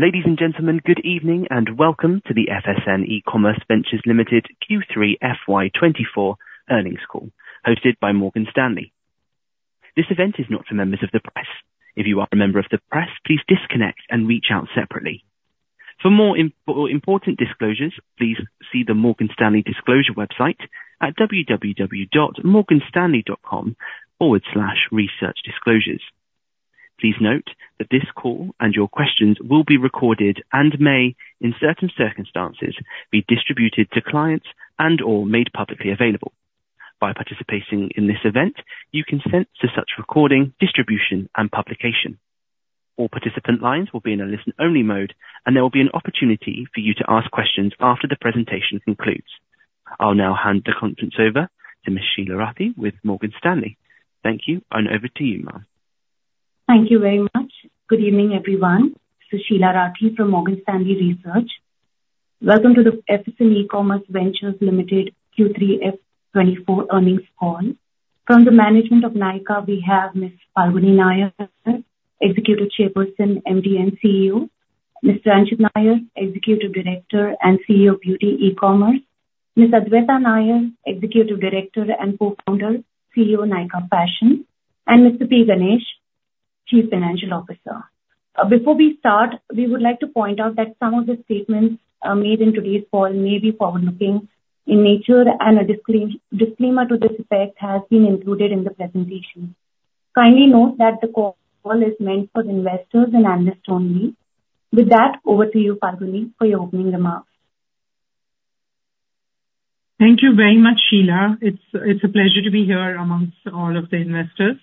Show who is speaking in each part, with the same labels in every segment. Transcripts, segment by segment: Speaker 1: Ladies and gentlemen, good evening, and welcome to the FSN eCommerce Ventures Limited Q3 FY24 earnings call, hosted by Morgan Stanley. This event is not for members of the press. If you are a member of the press, please disconnect and reach out separately. For more important disclosures, please see the Morgan Stanley disclosure website at www.morganstanley.com/researchdisclosures. Please note that this call and your questions will be recorded and may, in certain circumstances, be distributed to clients and/or made publicly available. By participating in this event, you consent to such recording, distribution, and publication. All participant lines will be in a listen-only mode, and there will be an opportunity for you to ask questions after the presentation concludes. I'll now hand the conference over to Ms. Sheela Rathi with Morgan Stanley. Thank you, and over to you, ma'am.
Speaker 2: Thank you very much. Good evening, everyone. This is Sheela Rathi from Morgan Stanley Research. Welcome to the FSN eCommerce Ventures Limited Q3 FY24 earnings call. From the management of Nykaa, we have Ms. Falguni Nayar, Executive Chairperson, MD, and CEO, Mr. Anchit Nayar, Executive Director and CEO of Beauty eCommerce, Ms. Adwaita Nayar, Executive Director and Co-founder, CEO, Nykaa Fashion, and Mr. P. Ganesh, Chief Financial Officer. Before we start, we would like to point out that some of the statements made in today's call may be forward-looking in nature, and a disclaimer to this effect has been included in the presentation. Kindly note that the call is meant for investors and analysts only. With that, over to you, Falguni, for your opening remarks.
Speaker 3: Thank you very much, Sheila. It's a pleasure to be here among all of the investors,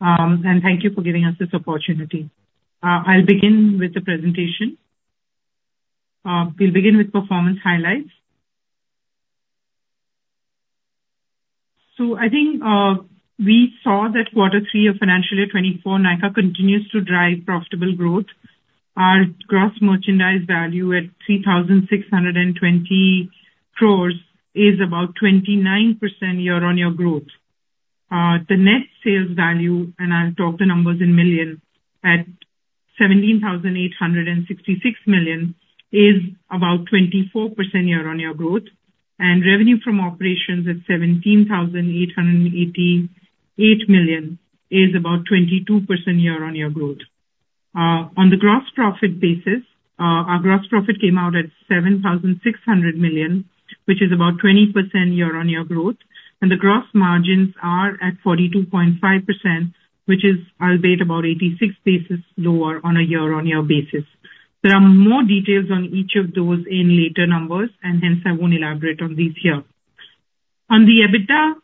Speaker 3: and thank you for giving us this opportunity. I'll begin with the presentation. We'll begin with performance highlights. So I think we saw that quarter 3 of financial year 2024, Nykaa continues to drive profitable growth. Our gross merchandise value at 3,620 crores is about 29% year-on-year growth. The net sales value, and I'll talk the numbers in millions, at 17,866 million, is about 24% year-on-year growth. And revenue from operations at 17,888 million is about 22% year-on-year growth. On the gross profit basis, our gross profit came out at 7,600 million, which is about 20% year-on-year growth, and the gross margins are at 42.5%, which is albeit about 86 basis points lower on a year-on-year basis. There are more details on each of those in later numbers, and hence I won't elaborate on these here. On the EBITDA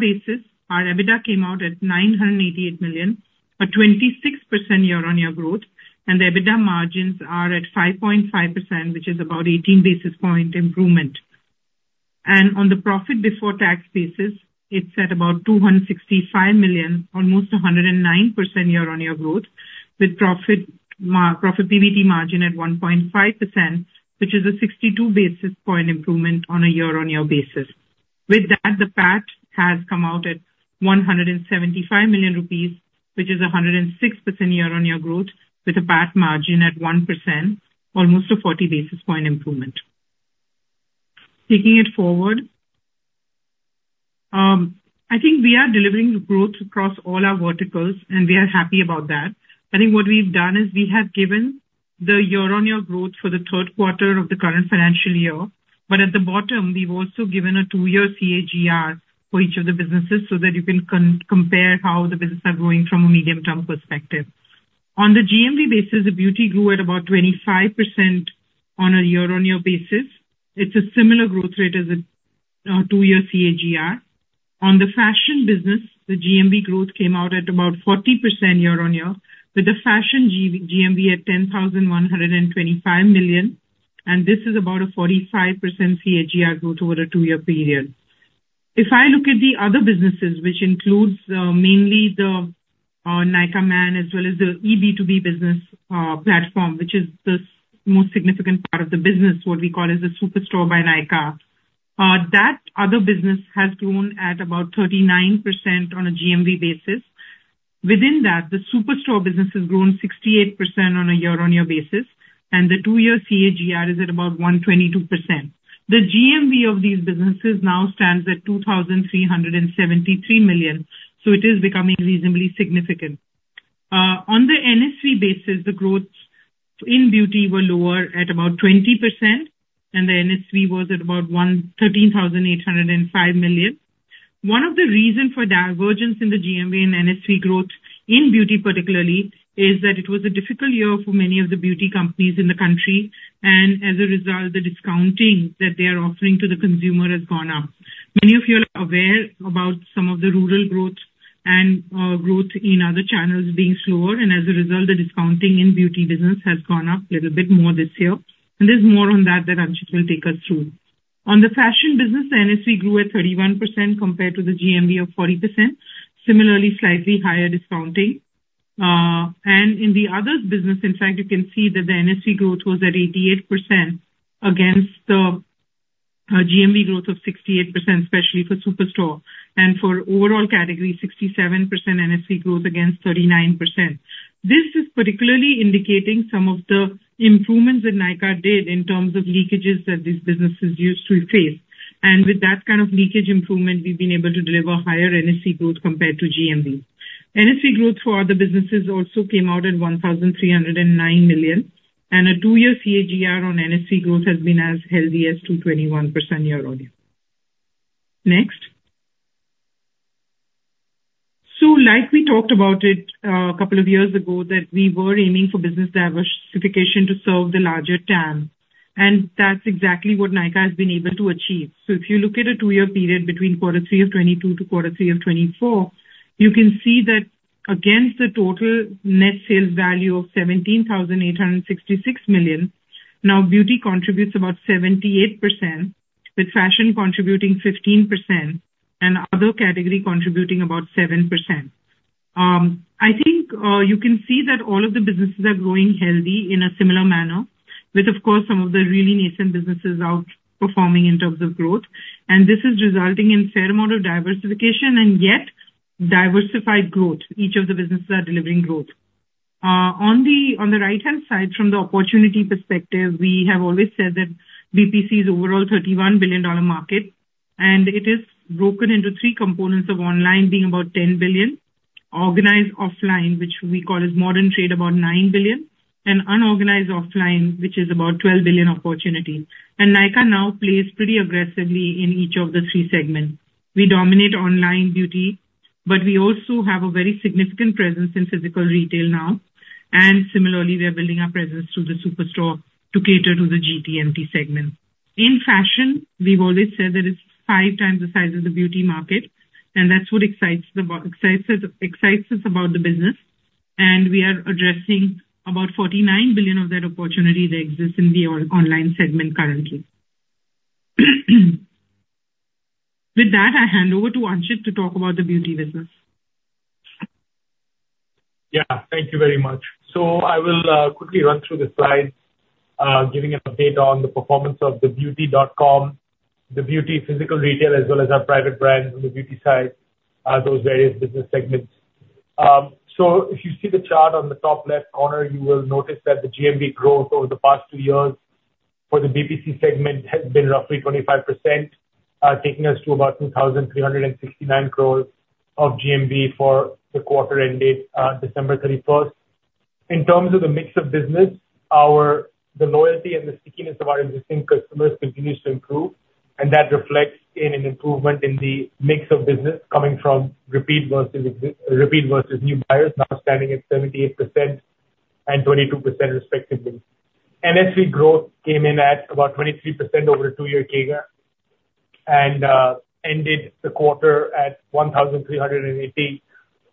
Speaker 3: basis, our EBITDA came out at 988 million, a 26% year-on-year growth, and the EBITDA margins are at 5.5%, which is about 18 basis points improvement. On the profit before tax basis, it's at about 265 million, almost 109% year-on-year growth, with profitability margin at 1.5%, which is a 62 basis point improvement on a year-on-year basis. With that, the PAT has come out at 175 million rupees, which is 106% year-on-year growth, with a PAT margin at 1%, almost a 40 basis point improvement. Taking it forward, I think we are delivering growth across all our verticals, and we are happy about that. I think what we've done is we have given the year-on-year growth for the third quarter of the current financial year, but at the bottom, we've also given a two-year CAGR for each of the businesses so that you can compare how the business are growing from a medium-term perspective. On the GMV basis, the beauty grew at about 25% on a year-on-year basis. It's a similar growth rate as a two-year CAGR. On the fashion business, the GMV growth came out at about 40% year on year, with the fashion GMV at 10,125 million, and this is about a 45% CAGR growth over a two-year period. If I look at the other businesses, which includes, mainly the, Nykaa Man, as well as the eB2B business, platform, which is the most significant part of the business, what we call as the Superstore by Nykaa. That other business has grown at about 39% on a GMV basis. Within that, the Superstore business has grown 68% on a year-on-year basis, and the two-year CAGR is at about 122%. The GMV of these businesses now stands at 2,373 million, so it is becoming reasonably significant. On the NSV basis, the growth in beauty were lower at about 20%, and the NSV was at about 113,805 million. One of the reasons for divergence in the GMV and NSV growth in beauty particularly is that it was a difficult year for many of the beauty companies in the country, and as a result, the discounting that they are offering to the consumer has gone up. Many of you are aware about some of the rural growth and growth in other channels being slower, and as a result, the discounting in beauty business has gone up a little bit more this year. And there's more on that, that Anchit will take us through. On the fashion business, the NSV grew at 31% compared to the GMV of 40%. Similarly, slightly higher discounting. And in the others business, in fact, you can see that the NSV growth was at 88% against the GMV growth of 68%, especially for Superstore. For overall category, 67% NSC growth against 39%. This is particularly indicating some of the improvements that Nykaa did in terms of leakages that these businesses used to face. With that kind of leakage improvement, we've been able to deliver higher NSC growth compared to GMV. NSC growth for other businesses also came out at 1,309 million, and a 2-year CAGR on NSC growth has been as healthy as 221% year-over-year. Next. So like we talked about it, a couple of years ago, that we were aiming for business diversification to serve the larger TAM, and that's exactly what Nykaa has been able to achieve. So if you look at a two-year period between quarter three of 2022 to quarter three of 2024, you can see that against the total net sales value of 17,866 million, now beauty contributes about 78%, with fashion contributing 15% and other category contributing about 7%. I think you can see that all of the businesses are growing healthy in a similar manner, with, of course, some of the really nascent businesses outperforming in terms of growth. And this is resulting in fair amount of diversification and yet diversified growth. Each of the businesses are delivering growth. On the right-hand side, from the opportunity perspective, we have always said that BPC is overall a $31 billion market, and it is broken into 3 components of online, being about $10 billion; organized offline, which we call modern trade, about $9 billion; and unorganized offline, which is about $12 billion opportunity. Nykaa now plays pretty aggressively in each of the 3 segments. We dominate online beauty, but we also have a very significant presence in physical retail now, and similarly, we are building our presence through the superstore to cater to the GT/MT segment. In fashion, we've always said that it's 5 times the size of the beauty market, and that's what excites us about the business. We are addressing about $49 billion of that opportunity that exists in the online segment currently. With that, I hand over to Anchit to talk about the beauty business.
Speaker 4: Yeah, thank you very much. So I will quickly run through the slides, giving an update on the performance of the beauty.com, the beauty physical retail, as well as our private brand on the beauty side, those various business segments. So if you see the chart on the top left corner, you will notice that the GMV growth over the past two years for the BPC segment has been roughly 25%, taking us to about 2,369 crore of GMV for the quarter ended December thirty-first. In terms of the mix of business, our the loyalty and the stickiness of our existing customers continues to improve, and that reflects in an improvement in the mix of business coming from repeat versus new buyers, now standing at 78% and 22% respectively. NSV growth came in at about 23% over a two-year CAGR and ended the quarter at 1,380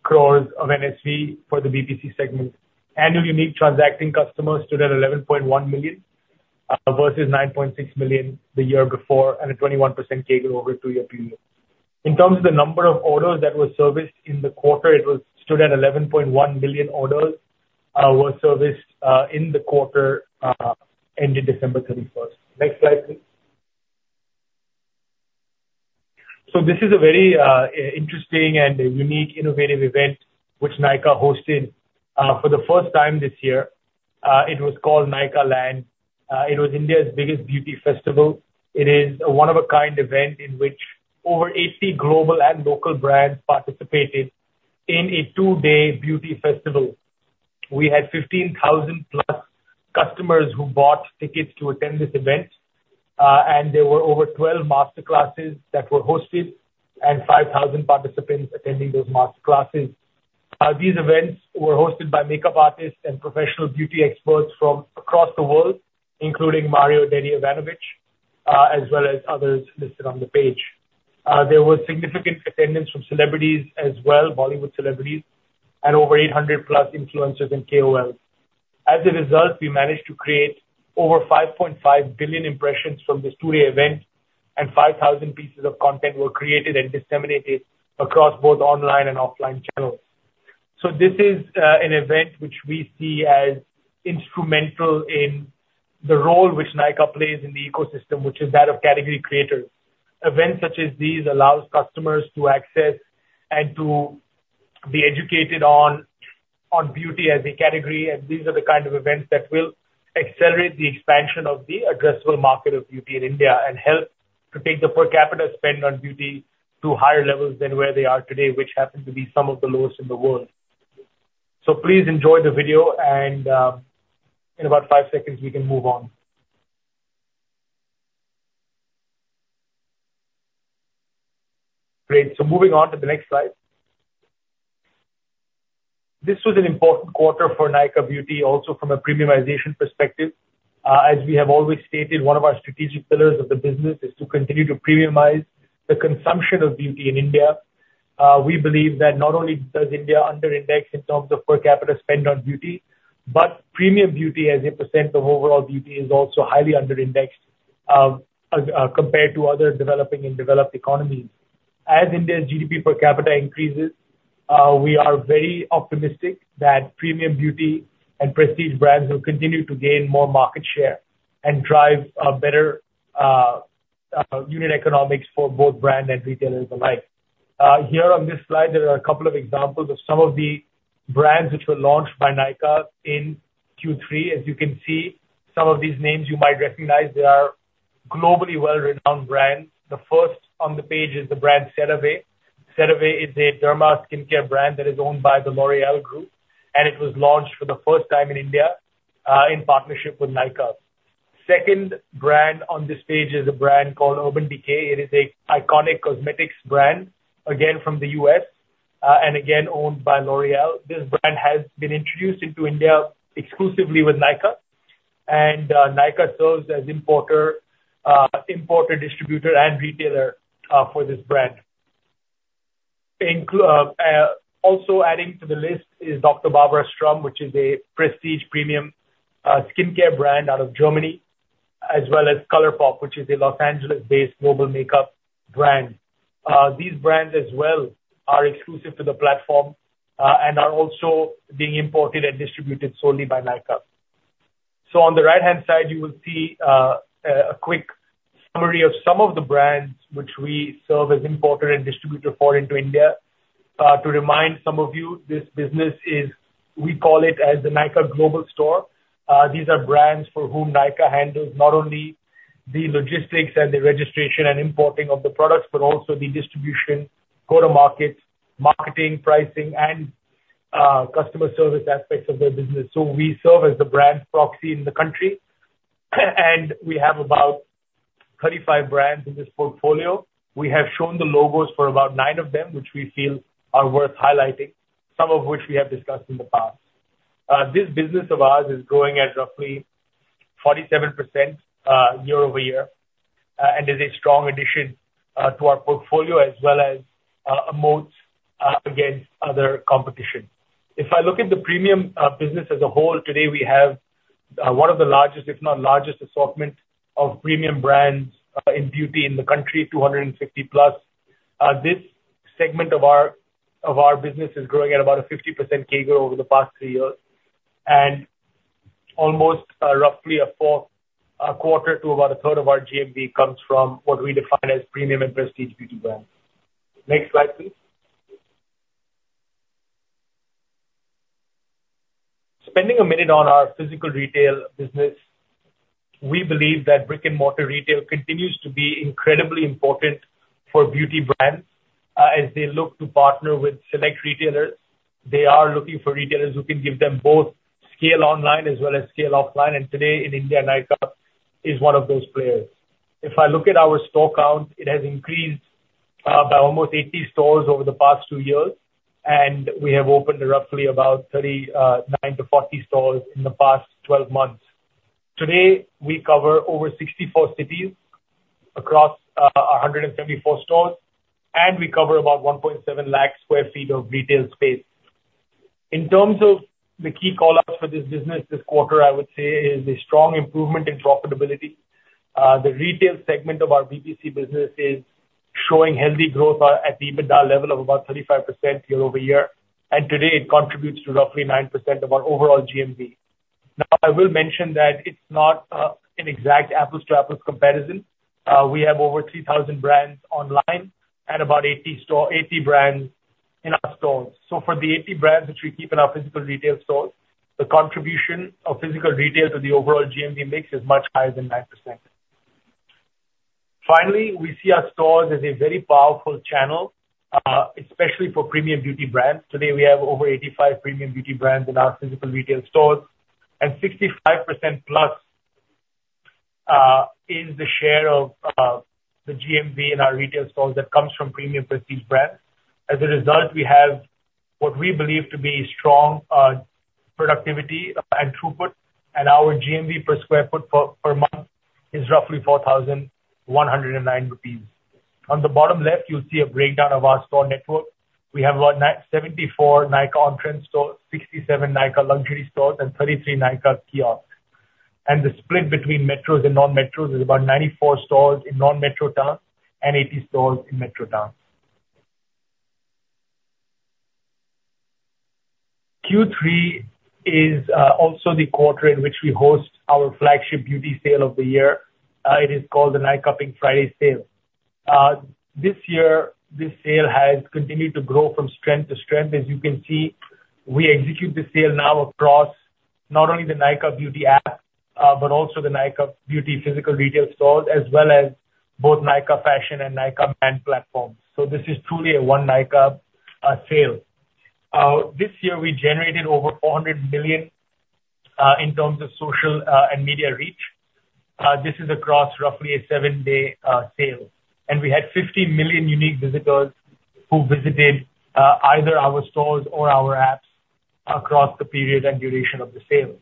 Speaker 4: crores of NSV for the BPC segment. Annual unique transacting customers stood at 11.1 million versus 9.6 million the year before, and a 21% CAGR over a two-year period. In terms of the number of orders that were serviced in the quarter, it stood at 11.1 billion orders serviced in the quarter ended December 31. Next slide, please. So this is a very interesting and unique innovative event which Nykaa hosted for the first time this year. It was called Nykaa Land. It was India's biggest beauty festival. It is a one-of-a-kind event in which over 80 global and local brands participated in a two-day beauty festival. We had 15,000+ customers who bought tickets to attend this event, and there were over 12 master classes that were hosted and 5,000 participants attending those master classes. These events were hosted by makeup artists and professional beauty experts from across the world, including Mario Dedivanovic, as well as others listed on the page. There was significant attendance from celebrities as well, Bollywood celebrities, and over 800+ influencers and KOLs. As a result, we managed to create over 5.5 billion impressions from this two-day event, and 5,000 pieces of content were created and disseminated across both online and offline channels. So this is an event which we see as instrumental in the role which Nykaa plays in the ecosystem, which is that of category creator. Events such as these allows customers to access and to be educated on, on beauty as a category, and these are the kind of events that will accelerate the expansion of the addressable market of beauty in India and help to take the per capita spend on beauty to higher levels than where they are today, which happen to be some of the lowest in the world. So please enjoy the video, and, in about five seconds, we can move on. Great. So moving on to the next slide. This was an important quarter for Nykaa Beauty, also from a premiumization perspective. As we have always stated, one of our strategic pillars of the business is to continue to premiumize the consumption of beauty in India. We believe that not only does India under-index in terms of per capita spend on beauty, but premium beauty as a percent of overall beauty is also highly under-indexed, compared to other developing and developed economies. As India's GDP per capita increases, we are very optimistic that premium beauty and prestige brands will continue to gain more market share and drive better unit economics for both brand and retailers alike. Here on this slide, there are a couple of examples of some of the brands which were launched by Nykaa in Q3. As you can see, some of these names you might recognize. They are globally well-renowned brands. The first on the page is the brand, CeraVe. CeraVe is a derma skincare brand that is owned by the L'Oréal Group, and it was launched for the first time in India in partnership with Nykaa. Second brand on this page is a brand called Urban Decay. It is a iconic cosmetics brand, again, from the U.S., and again, owned by L'Oréal. This brand has been introduced into India exclusively with Nykaa, and Nykaa serves as importer, distributor, and retailer for this brand. Also adding to the list is Dr. Barbara Sturm, which is a prestige premium skincare brand out of Germany, as well as ColourPop, which is a Los Angeles-based global makeup brand. These brands as well are exclusive to the platform and are also being imported and distributed solely by Nykaa. So on the right-hand side, you will see a quick summary of some of the brands which we serve as importer and distributor for into India. To remind some of you, this business is... We call it as the Nykaa Global Store. These are brands for whom Nykaa handles not only the logistics and the registration and importing of the products, but also the distribution, go-to-markets, marketing, pricing, and customer service aspects of their business. So we serve as the brand proxy in the country, and we have about 35 brands in this portfolio. We have shown the logos for about nine of them, which we feel are worth highlighting, some of which we have discussed in the past. This business of ours is growing at roughly 47%, year-over-year, and is a strong addition to our portfolio as well as a moat against other competition. If I look at the premium business as a whole, today we have one of the largest, if not largest, assortment of premium brands in beauty in the country, 250+. This segment of our business is growing at about a 50% CAGR over the past three years, and almost, roughly a fourth, a quarter to about a third of our GMV comes from what we define as premium and prestige beauty brands. Next slide, please. Spending a minute on our physical retail business, we believe that brick-and-mortar retail continues to be incredibly important for beauty brands. As they look to partner with select retailers, they are looking for retailers who can give them both scale online as well as scale offline, and today in India, Nykaa is one of those players. If I look at our store count, it has increased by almost 80 stores over the past two years, and we have opened roughly about 39-40 stores in the past twelve months. Today, we cover over 64 cities across 174 stores, and we cover about 1.7 lakh sq ft of retail space. In terms of the key callouts for this business this quarter, I would say is a strong improvement in profitability. The retail segment of our B2C business is showing healthy growth at the EBITDA level of about 35% year-over-year, and today it contributes to roughly 9% of our overall GMV. Now, I will mention that it's not an exact apples-to-apples comparison. We have over 3,000 brands online and about 80 brands in our stores. So for the 80 brands which we keep in our physical retail stores, the contribution of physical retail to the overall GMV mix is much higher than 9%. Finally, we see our stores as a very powerful channel, especially for premium beauty brands. Today, we have over 85 premium beauty brands in our physical retail stores, and 65% plus is the share of the GMV in our retail stores that comes from premium prestige brands. As a result, we have what we believe to be strong productivity and throughput, and our GMV per sq ft per month is roughly 4,109 rupees. On the bottom left, you'll see a breakdown of our store network. We have about 974 Nykaa On Trend stores, 67 Nykaa Luxury stores, and 33 Nykaa kiosks. The split between metros and non-metros is about 94 stores in non-metro towns and 80 stores in metro towns. Q3 is also the quarter in which we host our flagship beauty sale of the year. It is called the Nykaa Pink Friday Sale. This year, this sale has continued to grow from strength to strength. As you can see, we execute the sale now across not only the Nykaa Beauty App, but also the Nykaa Beauty physical retail stores, as well as both Nykaa Fashion and Nykaa brand platforms. So this is truly a one Nykaa sale. This year, we generated over 400 million in terms of social and media reach. This is across roughly a seven-day sale. And we had 50 million unique visitors who visited either our stores or our apps across the period and duration of the sale.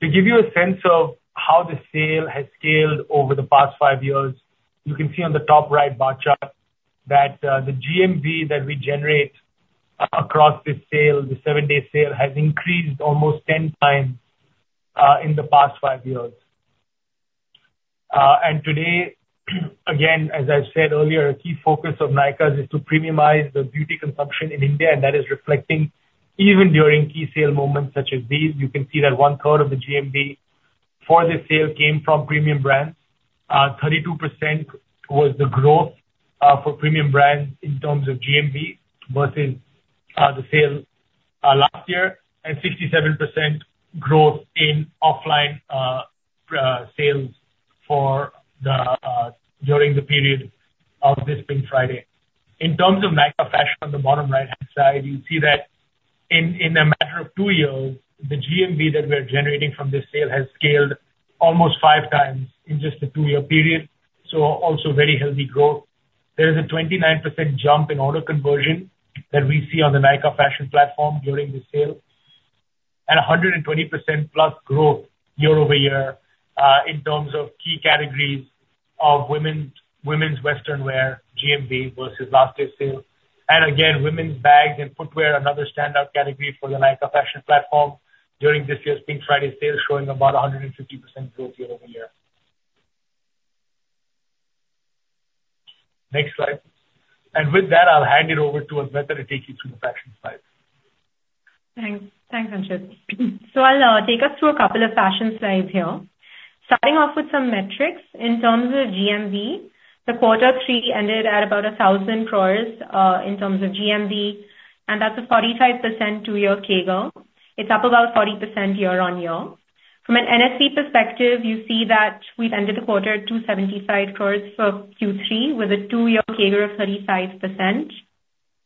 Speaker 4: To give you a sense of how the sale has scaled over the past five years, you can see on the top right bar chart that the GMV that we generate across this sale, the seven-day sale, has increased almost 10 times in the past five years. And today, again, as I've said earlier, a key focus of Nykaa's is to premiumize the beauty consumption in India, and that is reflecting even during key sale moments such as these. You can see that one third of the GMV for this sale came from premium brands. 32% towards the growth for premium brands in terms of GMV versus the sale last year, and 67% growth in offline sales during the period of this Pink Friday. In terms of Nykaa Fashion, on the bottom right-hand side, you see that in a matter of 2 years, the GMV that we are generating from this sale has scaled almost 5 times in just a 2-year period, so also very healthy growth. There is a 29% jump in order conversion that we see on the Nykaa Fashion platform during the sale, and a 120%+ growth year-over-year in terms of key categories of women's western wear GMV versus last year's sale. And again, women's bags and footwear, another standout category for the Nykaa Fashion platform during this year's Pink Friday sale, showing about a 150% growth year-over-year. Next slide. And with that, I'll hand it over to Adwaita to take you through the fashion slides.
Speaker 5: Thanks. Thanks, Anchit. So I'll take us through a couple of fashion slides here. Starting off with some metrics, in terms of GMV, the quarter three ended at about 1,000 crore in terms of GMV, and that's a 45% two-year CAGR. It's up about 40% year-on-year. From an NSV perspective, you see that we've ended the quarter at 275 crore for Q3, with a two-year CAGR of 35%.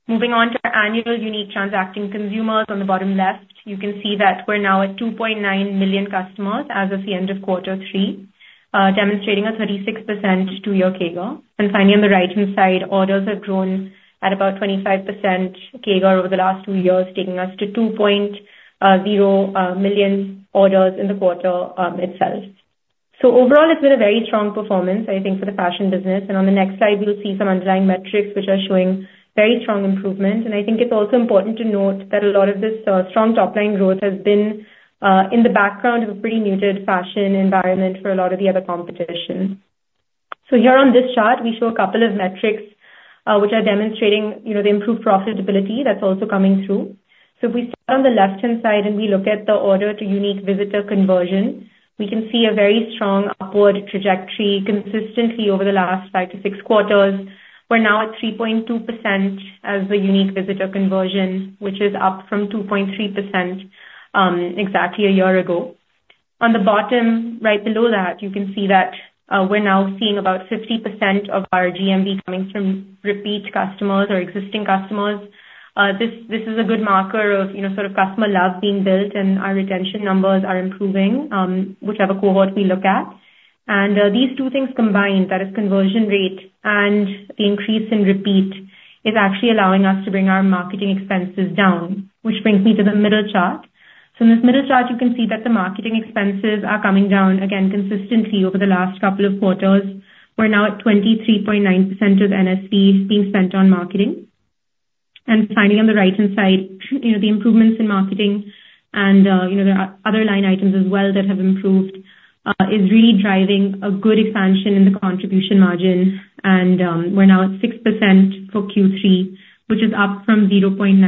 Speaker 5: Moving on to our annual unique transacting consumers on the bottom left, you can see that we're now at 2.9 million customers as of the end of quarter three, demonstrating a 36% two-year CAGR. And finally, on the right-hand side, orders have grown at about 25% CAGR over the last two years, taking us to 2.0 million orders in the quarter itself. So overall, it's been a very strong performance, I think, for the fashion business, and on the next slide, you'll see some underlying metrics which are showing very strong improvement. And I think it's also important to note that a lot of this strong top line growth has been in the background of a pretty muted fashion environment for a lot of the other competition. So here on this chart, we show a couple of metrics, which are demonstrating, you know, the improved profitability that's also coming through. So if we start on the left-hand side, and we look at the order to unique visitor conversion, we can see a very strong upward trajectory consistently over the last 5-6 quarters. We're now at 3.2% as the unique visitor conversion, which is up from 2.3% exactly a year ago. On the bottom, right below that, you can see that we're now seeing about 50% of our GMV coming from repeat customers or existing customers. This is a good marker of, you know, sort of customer love being built, and our retention numbers are improving, whichever cohort we look at. These two things combined, that is, conversion rate and the increase in repeat, is actually allowing us to bring our marketing expenses down, which brings me to the middle chart. So in this middle chart, you can see that the marketing expenses are coming down again consistently over the last couple of quarters. We're now at 23.9% of NSV being spent on marketing. And finally, on the right-hand side, you know, the improvements in marketing and, you know, there are other line items as well that have improved, is really driving a good expansion in the contribution margin. And, we're now at 6% for Q3, which is up from 0.9%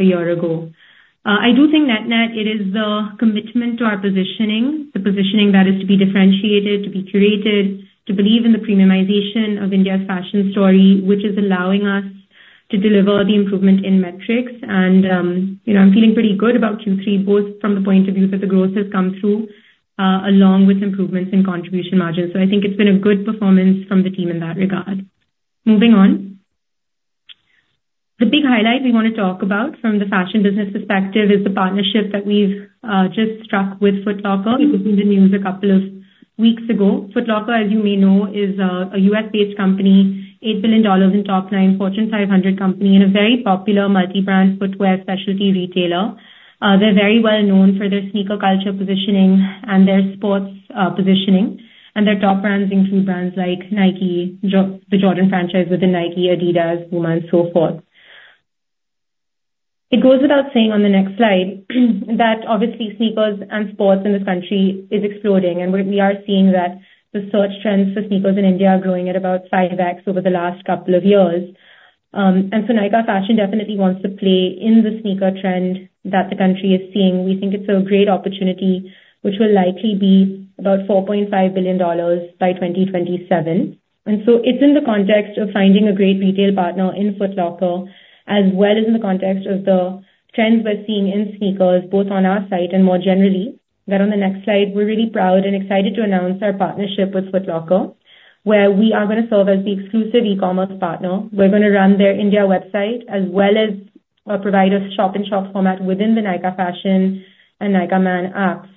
Speaker 5: a year ago. I do think net-net it is the commitment to our positioning, the positioning that is to be differentiated, to be curated, to believe in the premiumization of India's fashion story, which is allowing us to deliver the improvement in metrics. And, you know, I'm feeling pretty good about Q3, both from the point of view that the growth has come through, along with improvements in contribution margins. So I think it's been a good performance from the team in that regard. Moving on. The big highlight we wanna talk about from the fashion business perspective is the partnership that we've just struck with Foot Locker. You could see the news a couple of weeks ago. Foot Locker, as you may know, is a U.S.-based company, $8 billion in top 9 Fortune 500 company, and a very popular multi-brand footwear specialty retailer. They're very well known for their sneaker culture positioning and their sports positioning, and their top brands include brands like Nike, the Jordan franchise within Nike, Adidas, Puma, and so forth. It goes without saying on the next slide, that obviously sneakers and sports in this country is exploding, and we are seeing that the search trends for sneakers in India are growing at about 5x over the last couple of years. Nykaa Fashion definitely wants to play in the sneaker trend that the country is seeing. We think it's a great opportunity, which will likely be about $4.5 billion by 2027. It's in the context of finding a great retail partner in Foot Locker, as well as in the context of the trends we're seeing in sneakers, both on our site and more generally, that on the next slide, we're really proud and excited to announce our partnership with Foot Locker, where we are gonna serve as the exclusive e-commerce partner. We're gonna run their India website, as well as, provide a shop-in-shop format within the Nykaa Fashion and Nykaa Man apps.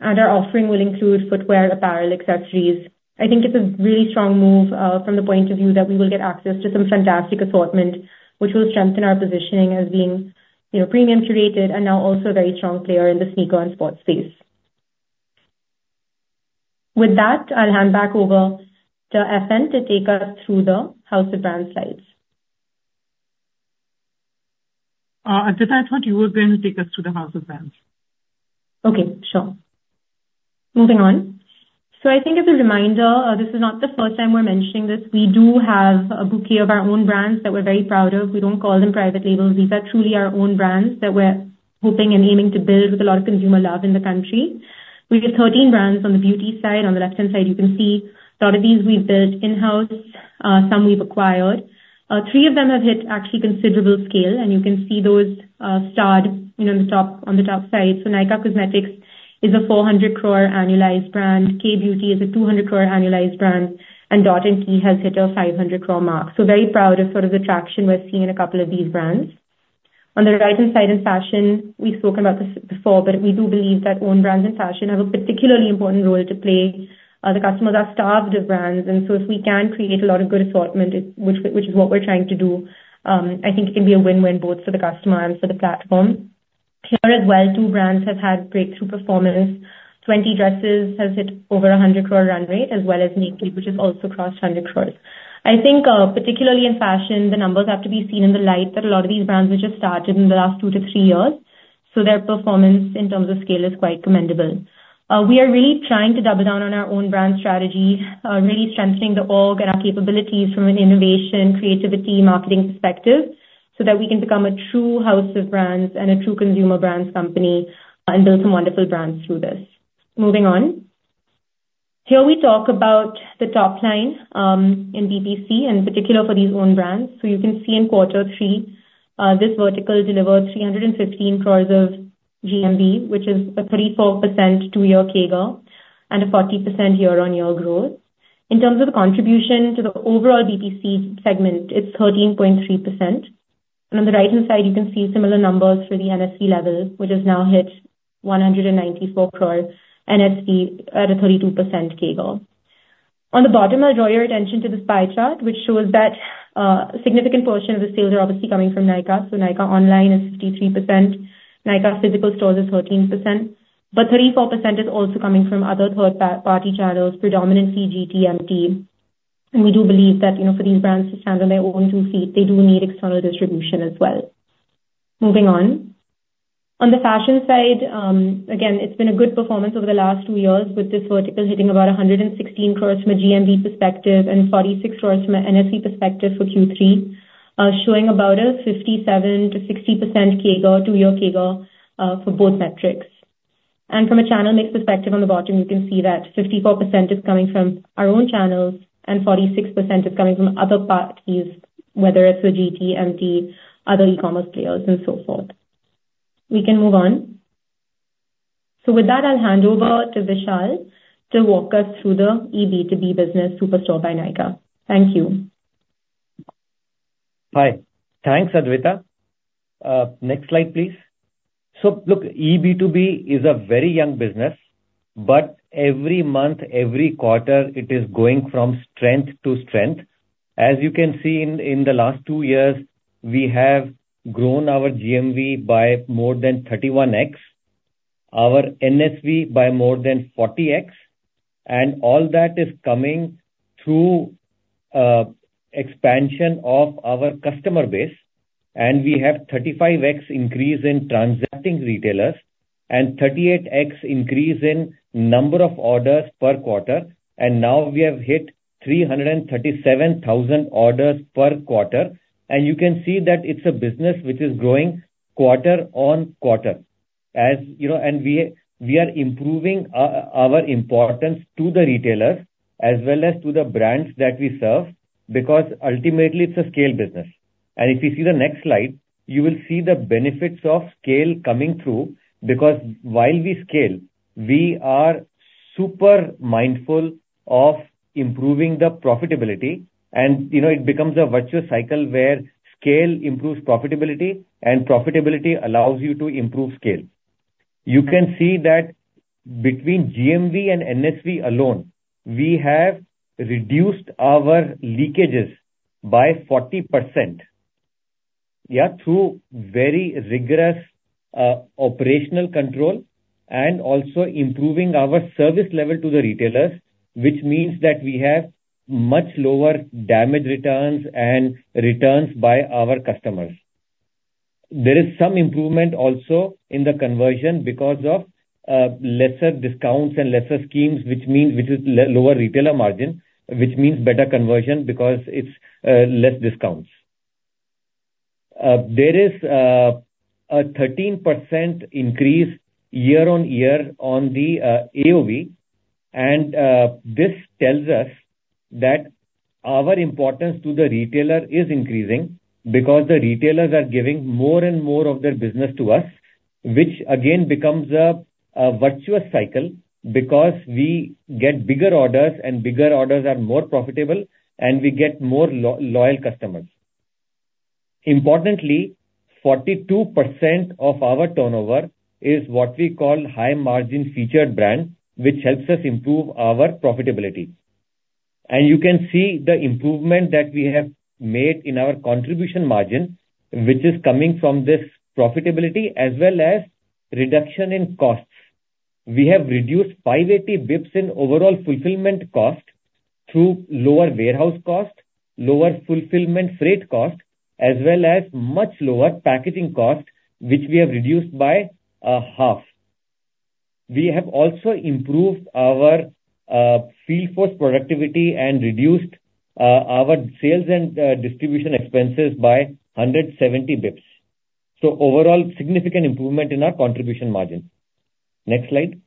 Speaker 5: Our offering will include footwear, apparel, accessories. I think it's a really strong move from the point of view that we will get access to some fantastic assortment, which will strengthen our positioning as being, you know, premium curated, and now also a very strong player in the sneaker and sports space. With that, I'll hand back over to FM to take us through the house of brands slides....
Speaker 6: Adwaita, I thought you were going to take us to the house of brands.
Speaker 5: Okay, sure. Moving on. So I think as a reminder, this is not the first time we're mentioning this, we do have a bouquet of our own brands that we're very proud of. We don't call them private labels. These are truly our own brands that we're hoping and aiming to build with a lot of consumer love in the country. We have 13 brands on the beauty side. On the left-hand side, you can see a lot of these we've built in-house, some we've acquired. Three of them have hit actually considerable scale, and you can see those, starred, you know, on the top, on the top side. So Nykaa Cosmetics is a 400 crore annualized brand, Kay Beauty is a 200 crore annualized brand, and Dot & Key has hit our 500 crore mark. So very proud of sort of the traction we're seeing in a couple of these brands. On the right-hand side in fashion, we've spoken about this before, but we do believe that own brands in fashion have a particularly important role to play. The customers are starved of brands, and so if we can create a lot of good assortment, which is what we're trying to do, I think it can be a win-win both for the customer and for the platform. Here as well, two brands have had breakthrough performance. Twenty Dresses has hit over 100 crore run rate, as well as Nykd, which has also crossed 100 crore. I think, particularly in fashion, the numbers have to be seen in the light that a lot of these brands were just started in the last 2-3 years, so their performance in terms of scale is quite commendable. We are really trying to double down on our own brand strategy, really strengthening the org and our capabilities from an innovation, creativity, marketing perspective, so that we can become a true house of brands and a true consumer brands company, and build some wonderful brands through this. Moving on. Here we talk about the top line, in B2C, and in particular for these own brands. So you can see in quarter three, this vertical delivered 315 crore of GMV, which is a 34% 2-year CAGR, and a 40% year-on-year growth. In terms of the contribution to the overall B2C segment, it's 13.3%. On the right-hand side, you can see similar numbers for the NSV level, which has now hit 194 crore NSV at a 32% CAGR. On the bottom, I'll draw your attention to this pie chart, which shows that, a significant portion of the sales are obviously coming from Nykaa. Nykaa online is 53%, Nykaa physical stores is 13%, but 34% is also coming from other third-party channels, predominantly GT, MT. We do believe that, you know, for these brands to stand on their own two feet, they do need external distribution as well. Moving on. On the fashion side, again, it's been a good performance over the last two years with this vertical hitting about 116 crore from a GMV perspective and 46 crore from an NSV perspective for Q3. Showing about a 57%-60% CAGR, two-year CAGR, for both metrics. And from a channel mix perspective on the bottom, you can see that 54% is coming from our own channels, and 46% is coming from other parties, whether it's a GT, MT, other e-commerce players and so forth. We can move on. So with that, I'll hand over to Vishal to walk us through the eB2B business superstore by Nykaa. Thank you.
Speaker 6: Hi. Thanks, Adwaita. Next slide, please. So look, eB2B is a very young business, but every month, every quarter, it is going from strength to strength. As you can see in, in the last two years, we have grown our GMV by more than 31x, our NSV by more than 40x, and all that is coming through expansion of our customer base. And we have 35x increase in transacting retailers and 38x increase in number of orders per quarter. And now we have hit 337,000 orders per quarter, and you can see that it's a business which is growing quarter on quarter. As you know... And we, we are improving our, our importance to the retailers as well as to the brands that we serve, because ultimately it's a scale business. If you see the next slide, you will see the benefits of scale coming through, because while we scale, we are super mindful of improving the profitability. You know, it becomes a virtuous cycle where scale improves profitability, and profitability allows you to improve scale. You can see that between GMV and NSV alone, we have reduced our leakages by 40%. Yeah, through very rigorous operational control and also improving our service level to the retailers, which means that we have much lower damage returns and returns by our customers. There is some improvement also in the conversion because of lesser discounts and lesser schemes, which means—which is lower retailer margin, which means better conversion because it's less discounts. There is a 13% increase year-on-year on the AOV, and this tells us that our importance to the retailer is increasing because the retailers are giving more and more of their business to us, which again becomes a virtuous cycle because we get bigger orders, and bigger orders are more profitable, and we get more loyal customers. Importantly, 42% of our turnover is what we call high-margin featured brands, which helps us improve our profitability. You can see the improvement that we have made in our contribution margin, which is coming from this profitability as well as reduction in costs. We have reduced 5 basis points in overall fulfillment cost through lower warehouse cost, lower fulfillment freight cost, as well as much lower packaging cost, which we have reduced by half. We have also improved our field force productivity and reduced our sales and distribution expenses by 170 basis points. So overall, significant improvement in our contribution margin. Next slide.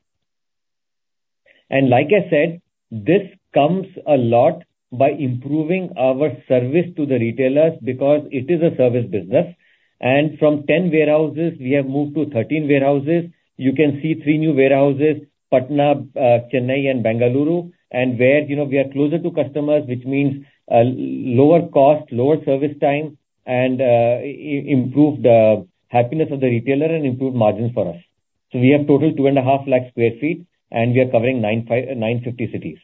Speaker 6: And like I said, this comes a lot by improving our service to the retailers because it is a service business. And from 10 warehouses, we have moved to 13 warehouses. You can see 3 new warehouses, Patna, Chennai and Bengaluru, and where, you know, we are closer to customers, which means lower cost, lower service time, and improved happiness of the retailer and improved margins for us. So we have total 2.5 lakh sq ft, and we are covering 959 cities.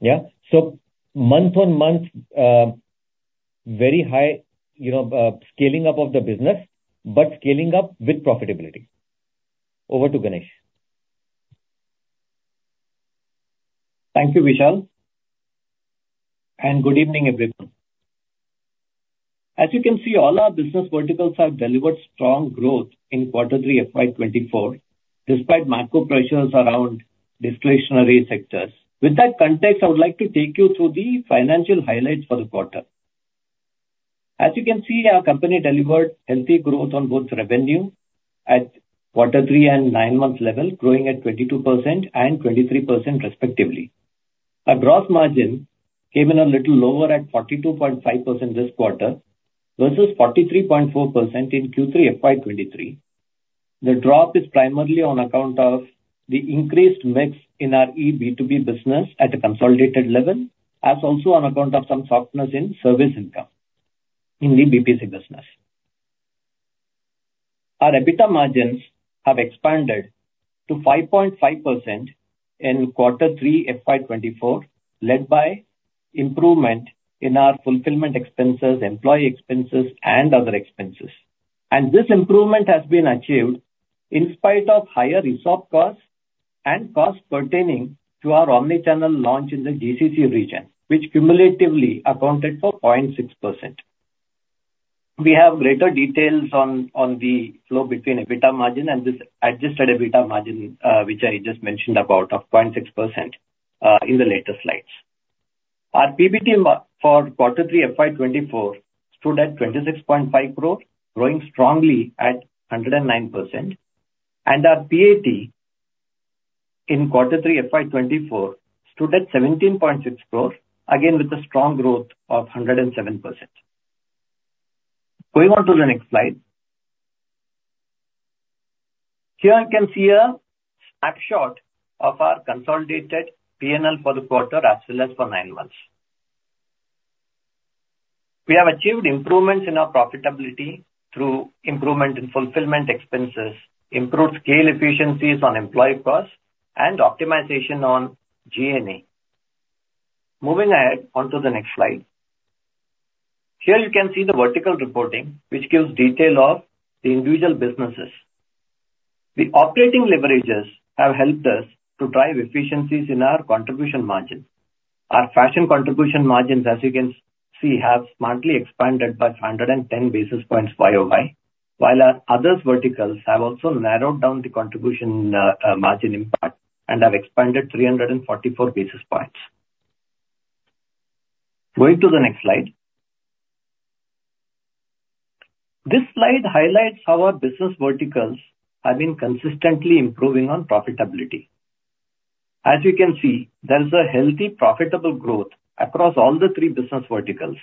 Speaker 6: Yeah. So month-on-month, very high, you know, scaling up of the business, but scaling up with profitability. Over to Ganesh.
Speaker 7: Thank you, Vishal, and good evening, everyone. As you can see, all our business verticals have delivered strong growth in quarter 3 FY 2024, despite macro pressures around discretionary sectors. With that context, I would like to take you through the financial highlights for the quarter. As you can see, our company delivered healthy growth on both revenue at quarter 3 and 9-month level, growing at 22% and 23% respectively. Our gross margin came in a little lower at 42.5% this quarter, versus 43.4% in Q3 FY 2023. The drop is primarily on account of the increased mix in our eB2B business at a consolidated level, as also on account of some softness in service income in the BPC business. Our EBITDA margins have expanded to 5.5% in quarter three FY 2024, led by improvement in our fulfillment expenses, employee expenses, and other expenses. And this improvement has been achieved in spite of higher resolve costs and costs pertaining to our omni-channel launch in the GCC region, which cumulatively accounted for 0.6%. We have greater details on the flow between EBITDA margin and this adjusted EBITDA margin, which I just mentioned about of 0.6%, in the later slides. Our PBT for quarter three FY 2024 stood at 26.5 growth, growing strongly at 109%, and our PAT in quarter three FY 2024 stood at 17.6 growth, again, with a strong growth of 107%. Going on to the next slide. Here you can see a snapshot of our consolidated PNL for the quarter, as well as for 9 months. We have achieved improvements in our profitability through improvement in fulfillment expenses, improved scale efficiencies on employee costs, and optimization on G&A. Moving ahead onto the next slide. Here you can see the vertical reporting, which gives detail of the individual businesses. The operating leverages have helped us to drive efficiencies in our contribution margins. Our fashion contribution margins, as you can see, have smartly expanded by 110 basis points Y-o-Y, while our other verticals have also narrowed down the contribution margin impact and have expanded 344 basis points. Going to the next slide. This slide highlights how our business verticals have been consistently improving on profitability. As you can see, there is a healthy, profitable growth across all the 3 business verticals.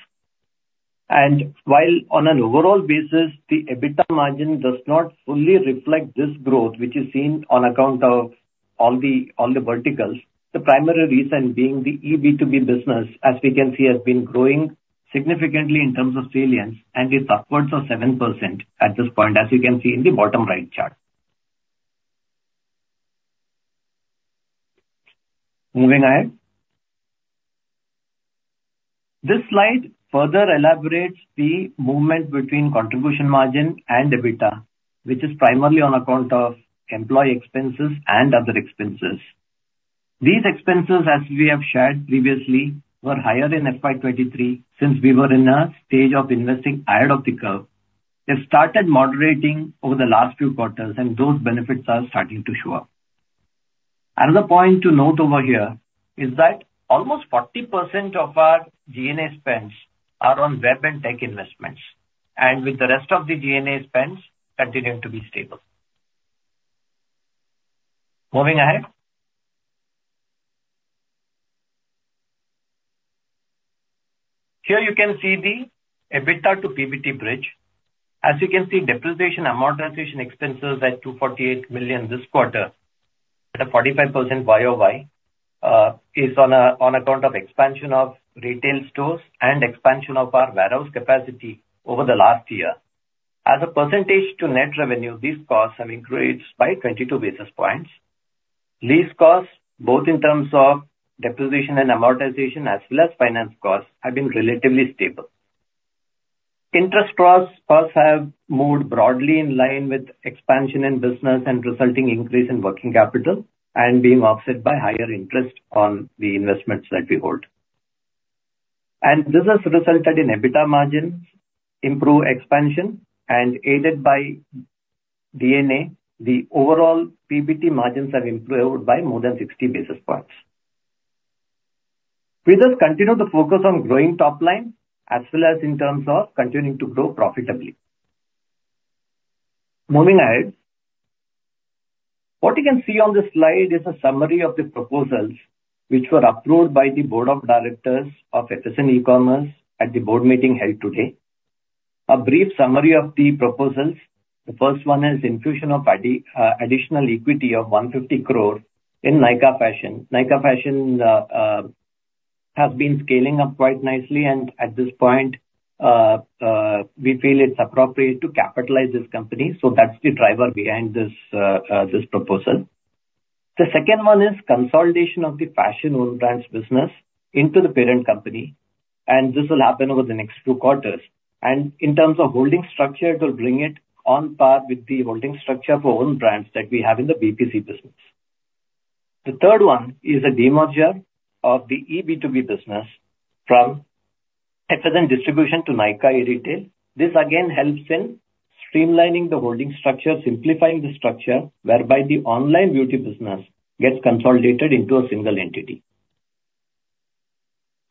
Speaker 7: And while on an overall basis, the EBITDA margin does not fully reflect this growth, which is seen on account of all the, all the verticals, the primary reason being the eB2B business, as we can see, has been growing significantly in terms of salience and is upwards of 7% at this point, as you can see in the bottom right chart. Moving ahead. This slide further elaborates the movement between contribution margin and EBITDA, which is primarily on account of employee expenses and other expenses. These expenses, as we have shared previously, were higher in FY 2023, since we were in a stage of investing ahead of the curve. They started moderating over the last few quarters, and those benefits are starting to show up. Another point to note over here is that almost 40% of our G&A spends are on web and tech investments, and with the rest of the G&A spends continuing to be stable. Moving ahead. Here you can see the EBITDA to PBT bridge. As you can see, depreciation amortization expenses at 248 million this quarter at a 45% Y-o-Y is on account of expansion of retail stores and expansion of our warehouse capacity over the last year. As a percentage to net revenue, these costs have increased by 22 basis points. Lease costs, both in terms of depreciation and amortization, as well as finance costs, have been relatively stable. Interest costs first have moved broadly in line with expansion in business and resulting increase in working capital, and being offset by higher interest on the investments that we hold. This has resulted in EBITDA margins improved, expansion aided by G&A, the overall PBT margins have improved by more than 60 basis points. We just continue to focus on growing top line, as well as in terms of continuing to grow profitably. Moving ahead, what you can see on the slide is a summary of the proposals which were approved by the Board of Directors of FSN eCommerce at the board meeting held today. A brief summary of the proposals, the first one is infusion of additional equity of 150 crore in Nykaa Fashion. Nykaa Fashion has been scaling up quite nicely, and at this point we feel it's appropriate to capitalize this company, so that's the driver behind this this proposal. The second one is consolidation of the Fashion and own brands business into the parent company, and this will happen over the next two quarters. And in terms of holding structure, it will bring it on par with the holding structure for own brands that we have in the BPC business. The third one is a demerger of the eB2B business from FSN Distribution to Nykaa E-Retail. This again helps in streamlining the holding structure, simplifying the structure, whereby the online beauty business gets consolidated into a single entity.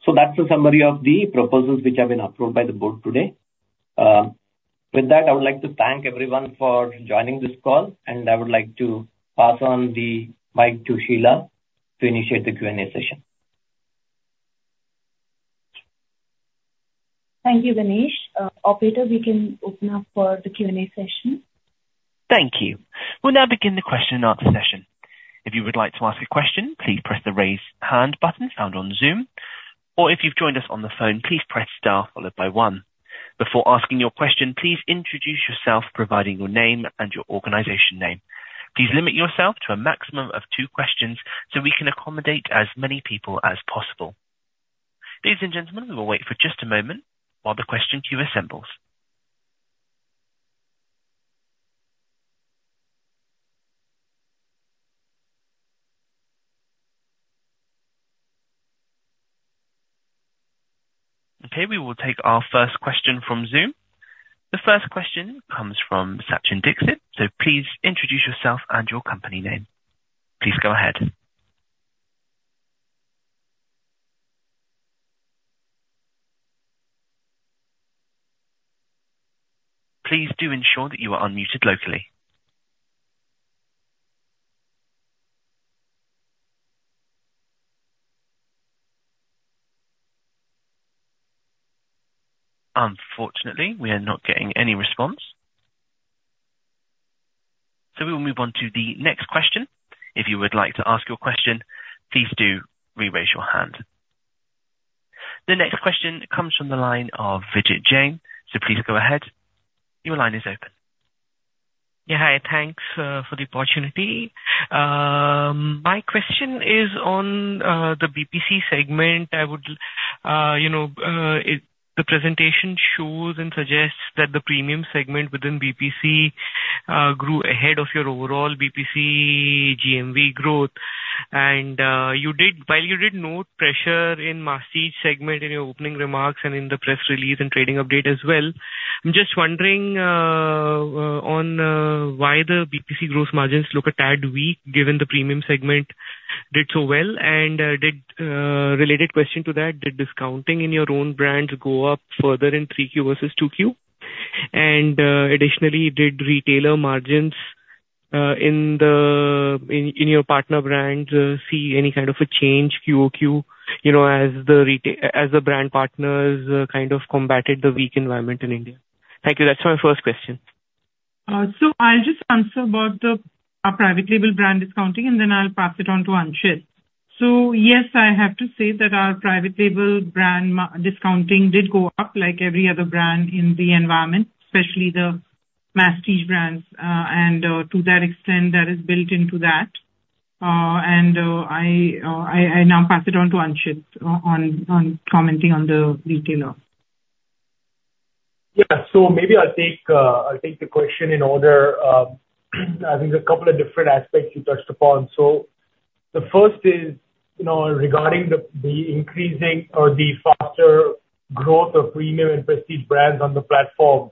Speaker 7: So that's a summary of the proposals which have been approved by the board today. With that, I would like to thank everyone for joining this call, and I would like to pass on the mic to Sheila to initiate the Q&A session.
Speaker 2: Thank you, P. Ganesh. Operator, we can open up for the Q&A session.
Speaker 1: Thank you. We'll now begin the question and answer session. If you would like to ask a question, please press the Raise Hand button found on Zoom, or if you've joined us on the phone, please press Star followed by one. Before asking your question, please introduce yourself, providing your name and your organization name. Please limit yourself to a maximum of two questions, so we can accommodate as many people as possible. Ladies and gentlemen, we will wait for just a moment while the question queue assembles. Okay, we will take our first question from Zoom. The first question comes from Sachin Dixit, so please introduce yourself and your company name. Please go ahead. Please do ensure that you are unmuted locally. Unfortunately, we are not getting any response, so we will move on to the next question. If you would like to ask your question, please do re-raise your hand. The next question comes from the line of Vijit Jain. So please go ahead, your line is open.
Speaker 8: Yeah, hi, thanks for the opportunity. My question is on the BPC segment. I would, you know, The presentation shows and suggests that the premium segment within BPC grew ahead of your overall BPC GMV growth. And, while you did note pressure in prestige segment in your opening remarks and in the press release and trading update as well, I'm just wondering why the BPC gross margins look a tad weak, given the premium segment did so well. And, a related question to that, did discounting in your own brands go up further in 3Q versus 2Q? Additionally, did retailer margins in your partner brands see any kind of a change QOQ, you know, as the brand partners kind of combated the weak environment in India? Thank you. That's my first question.
Speaker 3: So, I'll just answer about our private label brand discounting, and then I'll pass it on to Anchit. So, yes, I have to say that our private label brand discounting did go up like every other brand in the environment, especially the prestige brands. And, to that extent, that is built into that. And, I now pass it on to Anchit on commenting on the retailer.
Speaker 4: Yeah. So maybe I'll take, I'll take the question in order, I think a couple of different aspects you touched upon. So the first is, you know, regarding the, the increasing or the faster growth of premium and prestige brands on the platform.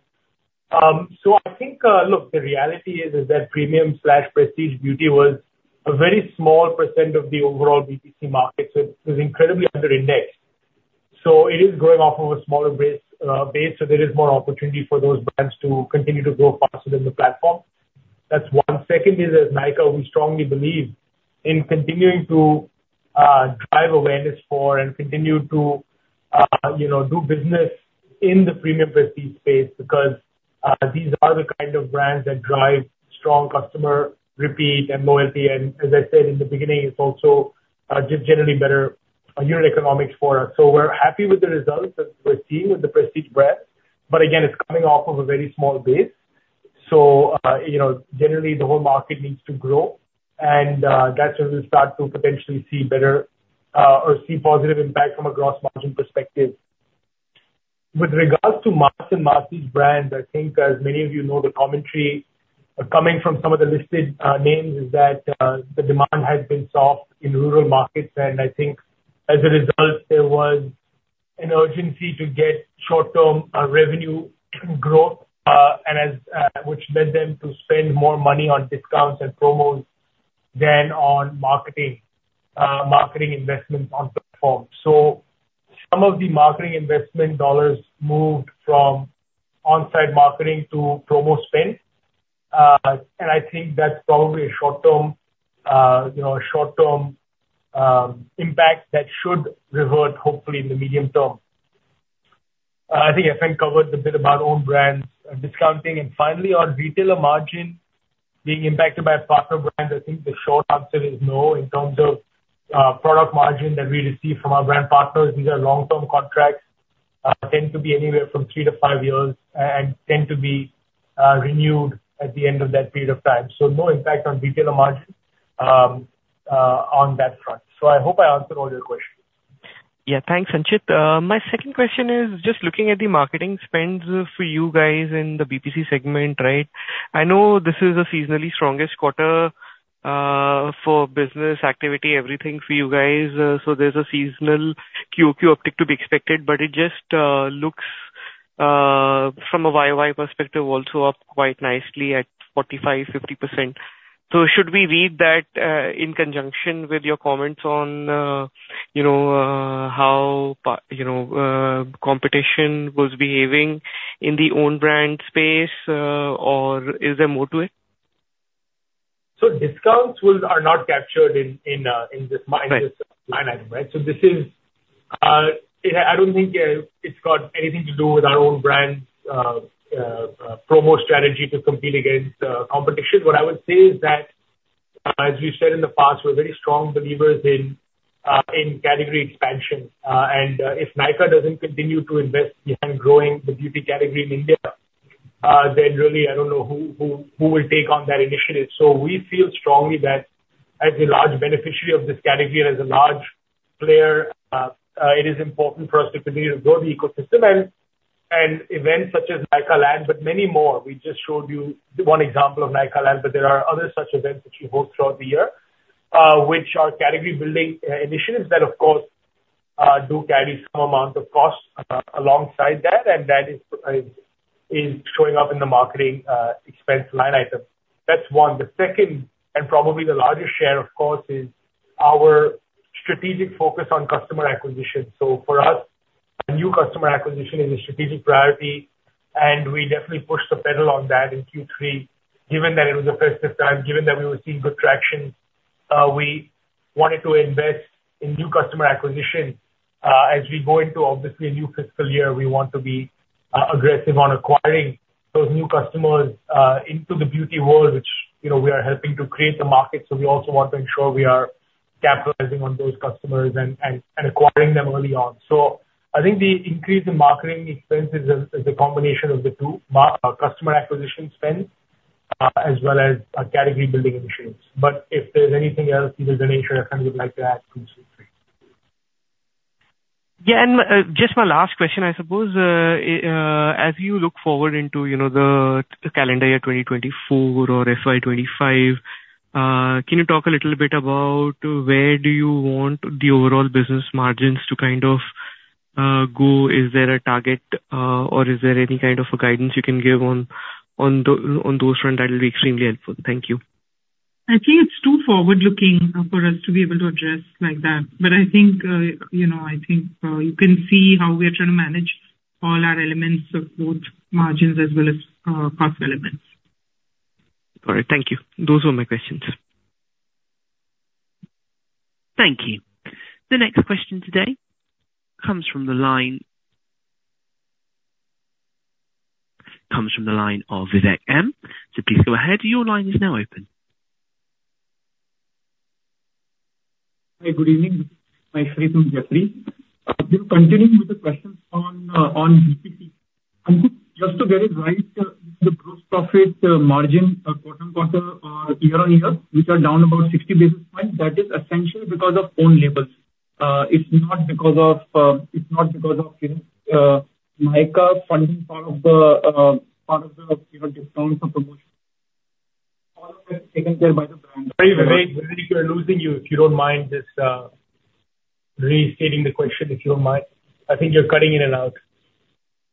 Speaker 4: So I think, look, the reality is, is that premium/prestige beauty was a very small percent of the overall BPC market, so it was incredibly under indexed. So it is growing off of a smaller base, base, so there is more opportunity for those brands to continue to grow faster than the platform. That's one. Second is, as Nykaa, we strongly believe in continuing to, drive awareness for and continue to, you know, do business in the premium prestige space, because, these are the kind of brands that drive strong customer repeat and loyalty. As I said in the beginning, it's also just generally better unit economics for us. So we're happy with the results that we're seeing with the prestige brands, but again, it's coming off of a very small base. ...So, you know, generally the whole market needs to grow, and that's when we'll start to potentially see better, or see positive impact from a gross margin perspective. With regards to mass and massy brands, I think as many of you know, the commentary coming from some of the listed names is that the demand has been soft in rural markets, and I think as a result, there was an urgency to get short-term revenue growth, and which led them to spend more money on discounts and promos than on marketing marketing investments on platform. So some of the marketing investment dollars moved from on-site marketing to promo spend, and I think that's probably a short-term, you know, a short-term impact that should revert hopefully in the medium term. I think FN covered a bit about own brands, discounting. And finally, on retailer margin being impacted by partner brands, I think the short answer is no, in terms of, product margin that we receive from our brand partners, these are long-term contracts, tend to be anywhere from 3-5 years and tend to be, renewed at the end of that period of time. So no impact on retailer margin, on that front. So I hope I answered all your questions.
Speaker 8: Yeah. Thanks, Anchit. My second question is just looking at the marketing spends for you guys in the BPC segment, right? I know this is a seasonally strongest quarter for business activity, everything for you guys, so there's a seasonal QoQ uptick to be expected, but it just looks from a YoY perspective, also up quite nicely at 45%-50%. So should we read that in conjunction with your comments on you know how competition was behaving in the own brand space or is there more to it?
Speaker 4: So discounts are not captured in this-
Speaker 8: Right.
Speaker 4: Line item, right? So this is it. I don't think it's got anything to do with our own brands, promo strategy to compete against competition. What I would say is that, as we said in the past, we're very strong believers in category expansion. If Nykaa doesn't continue to invest in growing the beauty category in India, then really I don't know who will take on that initiative. We feel strongly that as a large beneficiary of this category and as a large player, it is important for us to continue to grow the ecosystem and events such as Nykaa Land, but many more. We just showed you one example of Nykaa Land, but there are other such events which we host throughout the year, which are category building initiatives that of course do carry some amount of cost, alongside that, and that is showing up in the marketing expense line item. That's one. The second, and probably the largest share, of course, is our strategic focus on customer acquisition. So for us, new customer acquisition is a strategic priority, and we definitely pushed the pedal on that in Q3. Given that it was the festive time, given that we were seeing good traction, we wanted to invest in new customer acquisition. As we go into obviously a new fiscal year, we want to be aggressive on acquiring those new customers into the beauty world, which, you know, we are helping to create the market. So we also want to ensure we are capitalizing on those customers and acquiring them early on. So I think the increase in marketing expenses is a combination of the two, customer acquisition spend, as well as category building initiatives. But if there's anything else, either Ganesh or SN would like to add, please feel free.
Speaker 8: Yeah, and, just my last question, I suppose. As you look forward into, you know, the calendar year 2024 or FY 25, can you talk a little bit about where do you want the overall business margins to kind of, go? Is there a target, or is there any kind of a guidance you can give on, on those front? That will be extremely helpful. Thank you.
Speaker 3: I think it's too forward looking for us to be able to address like that. But I think, you know, I think, you can see how we are trying to manage all our elements of both margins as well as, cost elements.
Speaker 8: All right. Thank you. Those were my questions.
Speaker 1: Thank you. The next question today comes from the line of Vivek M. So please go ahead. Your line is now open.
Speaker 8: Hi, good evening. My screen is freezing. Continuing with the questions on BPC. Just to get it right, the gross profit margin, quarter-on-quarter, year-on-year, which are down about 60 basis points, that is essentially because of own labels. It's not because of Nykaa funding part of the, you know, discounts or promotions. All of that is taken care by the brand.
Speaker 4: Vivek, Vivek, we are losing you. If you don't mind just restating the question, if you don't mind. I think you're cutting in and out.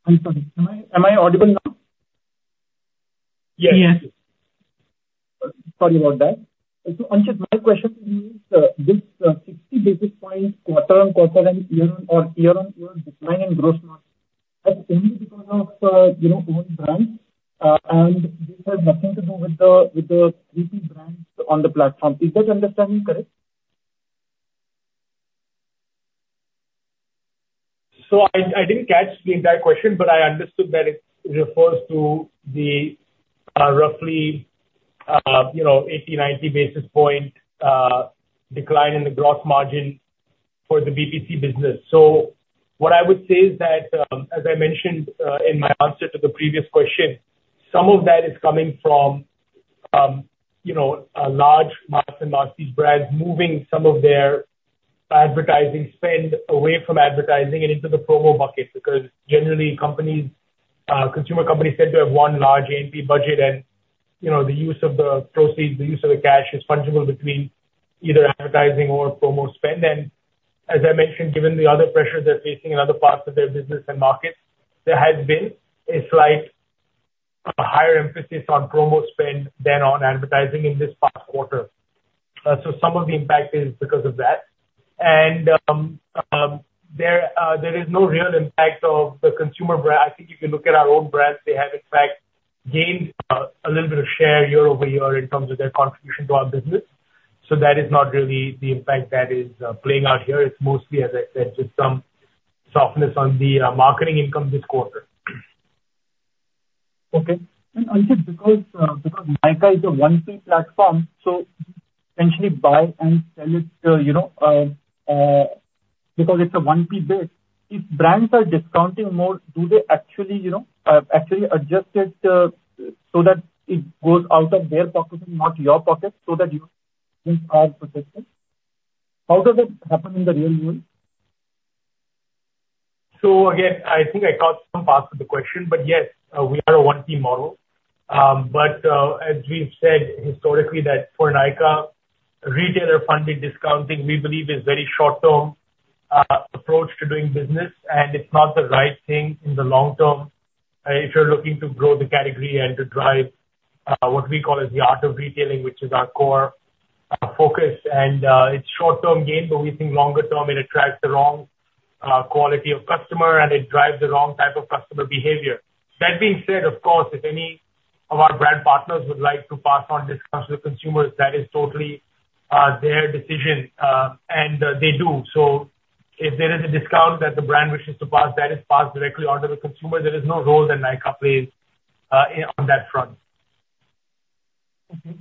Speaker 8: I'm sorry. Am I, am I audible now?
Speaker 4: Yes.
Speaker 3: Yes.
Speaker 8: Sorry about that. So Anchit, my question to you is, this 60 basis points, quarter-on-quarter and year-on-year decline in gross margin, that's only because of your own brands, and this has nothing to do with the BPC brands on the platform. Is that understanding correct?
Speaker 4: So I didn't catch the entire question, but I understood that it refers to the, roughly, you know, 80-90 basis point decline in the gross margin for the BPC business. So what I would say is that, as I mentioned, in my answer to the previous question, some of that is coming from, you know, large mass and prestige brands moving some of their advertising spend away from advertising and into the promo bucket. Because generally, companies, consumer companies tend to have one large A&P budget, and, you know, the use of the proceeds, the use of the cash is fungible between either advertising or promo spend. And as I mentioned, given the other pressures they're facing in other parts of their business and markets, there has been a slight, a higher emphasis on promo spend than on advertising in this past quarter. So some of the impact is because of that. And, there is no real impact of the consumer brand. I think if you look at our own brands, they have in fact gained, a little bit of share year-over-year in terms of their contribution to our business. So that is not really the impact that is, playing out here. It's mostly, as I said, just some softness on the, marketing income this quarter.
Speaker 8: Okay. And, Anchit, because Nykaa is a 1P platform, so essentially buy and sell it, you know, because it's a 1P bit, if brands are discounting more, do they actually adjust it, actually so that it goes out of their pocket and not your pocket, so that you are protected? How does it happen in the real world?
Speaker 4: So again, I think I caught some parts of the question, but yes, we are a 1P model. But, as we've said historically that for Nykaa, retailer-funded discounting, we believe, is very short-term approach to doing business, and it's not the right thing in the long term, if you're looking to grow the category and to drive, what we call as the art of retailing, which is our core focus. And, it's short-term gain, but we think longer term, it attracts the wrong quality of customer, and it drives the wrong type of customer behavior. That being said, of course, if any of our brand partners would like to pass on discounts to the consumers, that is totally their decision, and, they do. So if there is a discount that the brand wishes to pass, that is passed directly on to the consumer. There is no role that Nykaa plays, in, on that front.
Speaker 8: Okay.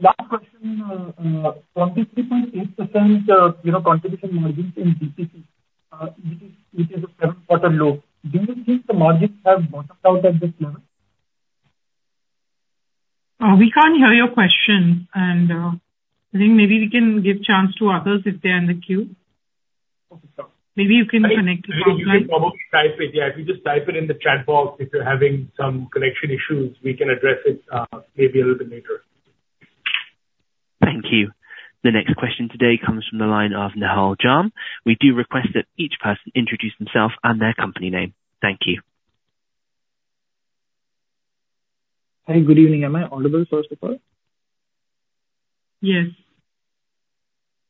Speaker 8: Last question, from the 30.8%, you know, contribution margins in BPC, which is a quarter low. Do you think the margins have bottomed out at this level?
Speaker 3: We can't hear your question, and I think maybe we can give chance to others if they're in the queue.
Speaker 8: Okay, sure.
Speaker 3: Maybe you can connect it.
Speaker 4: You can probably type it. Yeah, if you just type it in the chat box, if you're having some connection issues, we can address it, maybe a little bit later.
Speaker 1: Thank you. The next question today comes from the line of Nihal Jham. We do request that each person introduce themselves and their company name. Thank you.
Speaker 9: Hi, good evening. Am I audible, first of all?
Speaker 3: Yes.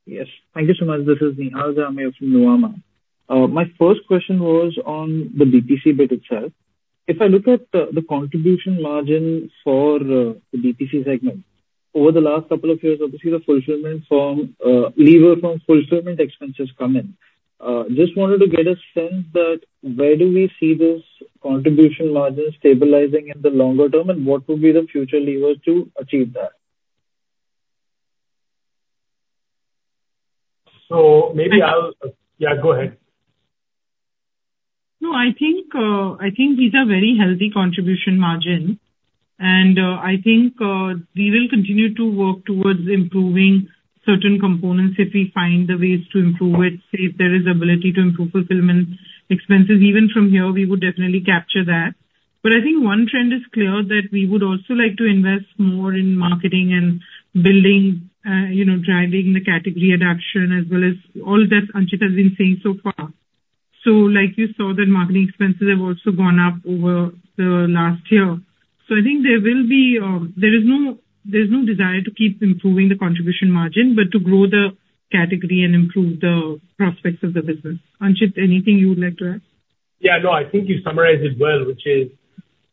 Speaker 9: Yes. Thank you so much. This is Nihal Jham. I'm from Nuvama. My first question was on the BPC bit itself. If I look at the contribution margin for the BPC segment, over the last couple of years, obviously, the fulfillment from leverage from fulfillment expenses come in. Just wanted to get a sense that where do we see this contribution margin stabilizing in the longer term, and what would be the future levers to achieve that?
Speaker 4: So maybe I'll... Yeah, go ahead.
Speaker 3: No, I think, I think these are very healthy contribution margins. And, I think, we will continue to work towards improving certain components if we find the ways to improve it. Say, if there is ability to improve fulfillment expenses, even from here, we would definitely capture that. But I think one trend is clear, that we would also like to invest more in marketing and building, you know, driving the category adoption as well as all that Anchit has been saying so far. So like you saw, that marketing expenses have also gone up over the last year. So I think there will be... There is no, there is no desire to keep improving the contribution margin, but to grow the category and improve the prospects of the business. Anchit, anything you would like to add?
Speaker 4: Yeah, no, I think you summarized it well, which is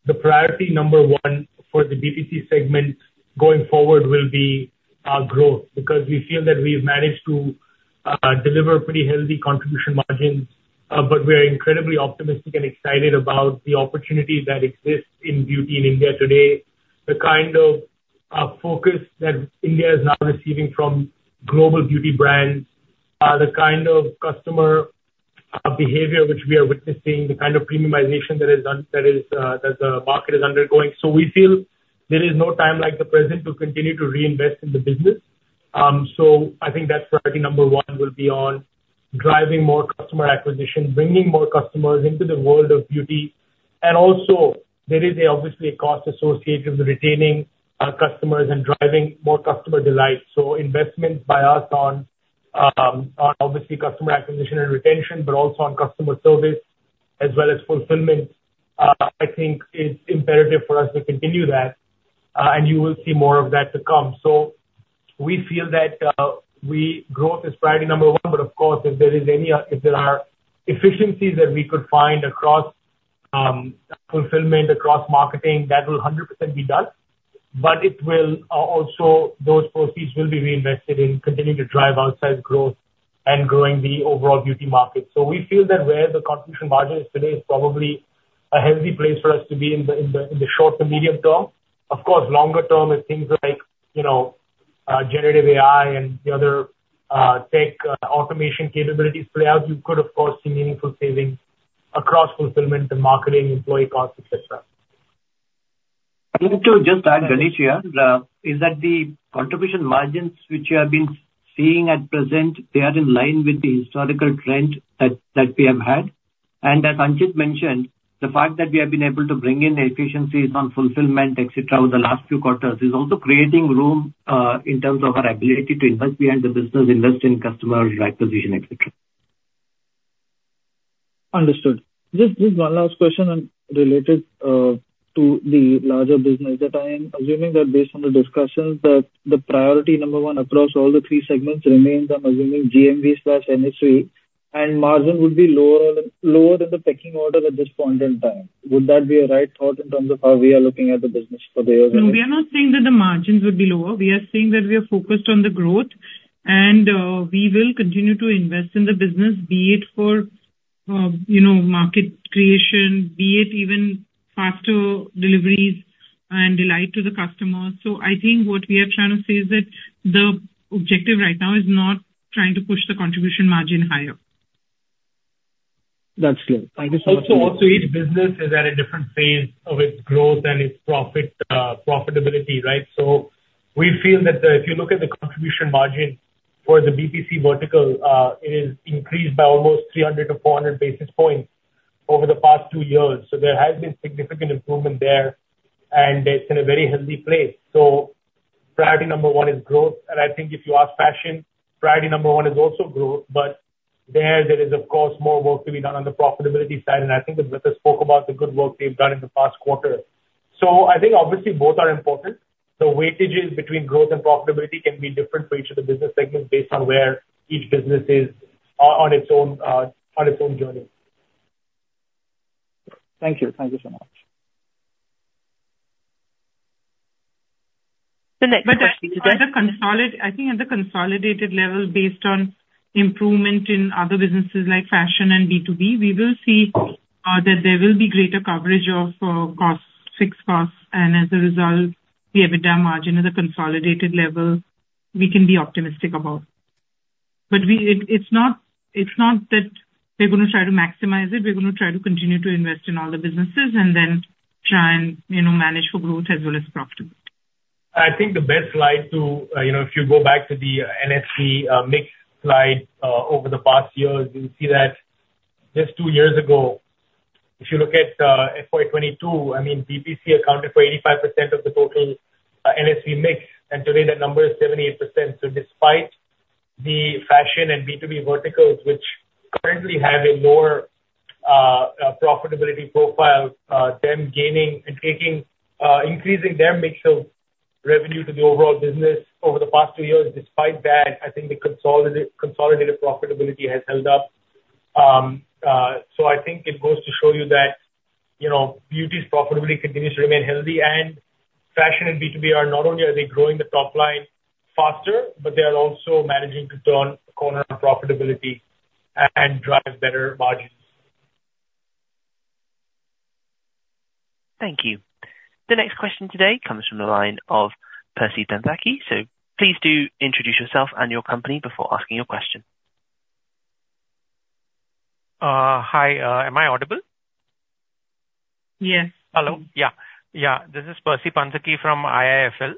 Speaker 4: the priority number one for the BPC segment going forward will be growth. Because we feel that we've managed to deliver pretty healthy contribution margins, but we are incredibly optimistic and excited about the opportunities that exist in beauty in India today. The kind of focus that India is now receiving from global beauty brands, the kind of customer behavior which we are witnessing, the kind of premiumization that is un- that is that the market is undergoing. So we feel there is no time like the present to continue to reinvest in the business. So I think that priority number one will be on driving more customer acquisition, bringing more customers into the world of beauty. And also, there is obviously a cost associated with retaining our customers and driving more customer delight. So investments by us on, obviously, customer acquisition and retention, but also on customer service as well as fulfillment. I think it's imperative for us to continue that, and you will see more of that to come. So we feel that growth is priority number one, but of course, if there is any, if there are efficiencies that we could find across, fulfillment, across marketing, that will 100% be done. But it will also those proceeds will be reinvested in continuing to drive outside growth and growing the overall beauty market. So we feel that where the contribution margin is today is probably a healthy place for us to be in the short to medium term. Of course, longer term, as things like, you know, generative AI and the other tech automation capabilities play out, you could of course see meaningful savings across fulfillment and marketing, employee costs, et cetera.
Speaker 7: I need to just add, Ganesh, here, is that the contribution margins which you have been seeing at present, they are in line with the historical trend that we have had. As Anchit mentioned, the fact that we have been able to bring in efficiencies on fulfillment, et cetera, over the last few quarters, is also creating room, in terms of our ability to invest behind the business, invest in customer acquisition, et cetera.
Speaker 9: Understood. Just one last question and related to the larger business, that I am assuming that based on the discussions, that the priority number one across all the three segments remains, I'm assuming, GMV/NSV, and margin would be lower than the pecking order at this point in time. Would that be a right thought in terms of how we are looking at the business for the year?
Speaker 3: No, we are not saying that the margins would be lower. We are saying that we are focused on the growth, and we will continue to invest in the business, be it for, you know, market creation, be it even faster deliveries and delight to the customers. So I think what we are trying to say is that the objective right now is not trying to push the contribution margin higher.
Speaker 9: That's clear. Thank you so much.
Speaker 4: Also, also, each business is at a different phase of its growth and its profit, profitability, right? So we feel that, if you look at the contribution margin for the BPC vertical, it is increased by almost 300-400 basis points over the past 2 years. So there has been significant improvement there, and it's in a very healthy place. So priority number 1 is growth, and I think if you ask Fashion, priority number 1 is also growth. But there, there is, of course, more work to be done on the profitability side, and I think Adwaita spoke about the good work we've done in the past quarter. So I think obviously both are important. The weightages between growth and profitability can be different for each of the business segments, based on where each business is on, on its own, on its own journey.
Speaker 9: Thank you. Thank you so much.
Speaker 1: The next question-
Speaker 3: But at the consolidated level, I think, based on improvement in other businesses like Fashion and B2B, we will see that there will be greater coverage of costs, fixed costs, and as a result, the EBITDA margin at a consolidated level, we can be optimistic about. But it's not that we're gonna try to maximize it. We're gonna try to continue to invest in all the businesses and then try and, you know, manage for growth as well as profitability.
Speaker 4: I think the best slide to, you know, if you go back to the NSV mix slide over the past years, you'll see that just two years ago, if you look at FY 2022, I mean, BPC accounted for 85% of the total NSV mix, and today that number is 78%. So despite the Fashion and B2B verticals, which currently have a more profitability profile, them gaining and taking increasing their mix of revenue to the overall business over the past two years, despite that, I think the consolidate, consolidated profitability has held up. I think it goes to show you that, you know, beauty's profitability continues to remain healthy, and Fashion and B2B not only are they growing the top line faster, but they are also managing to turn corner on profitability and drive better margins.
Speaker 1: Thank you. The next question today comes from the line of Percy Panthaki. So please do introduce yourself and your company before asking your question.
Speaker 10: Hi, am I audible?
Speaker 3: Yes.
Speaker 10: Hello. Yeah. Yeah, this is Percy Panthaki from IIFL.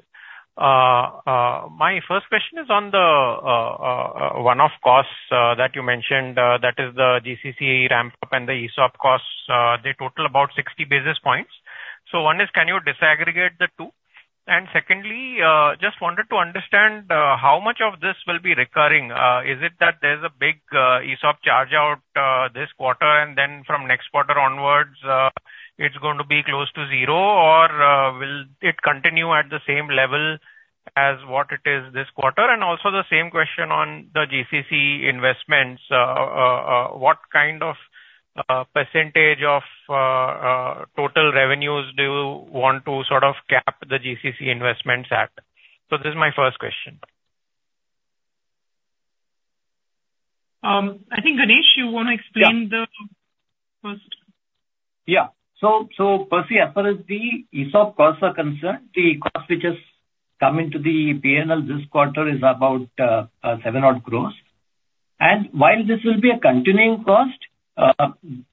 Speaker 10: My first question is on the one-off costs that you mentioned, that is the GCC ramp-up and the ESOP costs. They total about 60 basis points. So one is, can you disaggregate the two? And secondly, just wanted to understand how much of this will be recurring. Is it that there's a big ESOP charge out this quarter, and then from next quarter onwards, it's going to be close to zero? Or will it continue at the same level as what it is this quarter? And also the same question on the GCC investments. What kind of percentage of total revenues do you want to sort of cap the GCC investments at? So this is my first question.
Speaker 3: I think, Ganesh, you want to explain-
Speaker 10: Yeah.
Speaker 3: -the first?
Speaker 4: Yeah. So, Percy, as far as the ESOP costs are concerned, the cost which has come into the P&L this quarter is about 7 crore. And while this will be a continuing cost,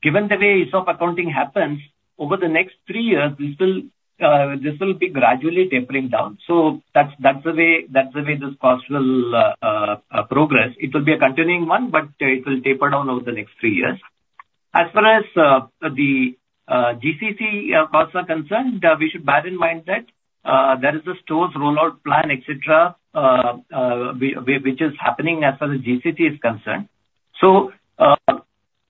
Speaker 4: given the way ESOP accounting happens, over the next three years, this will be gradually tapering down. So that's the way this cost will progress. It will be a continuing one, but it will taper down over the next three years. As far as the GCC costs are concerned, we should bear in mind that there is a stores rollout plan, et cetera, which is happening as far as GCC is concerned. So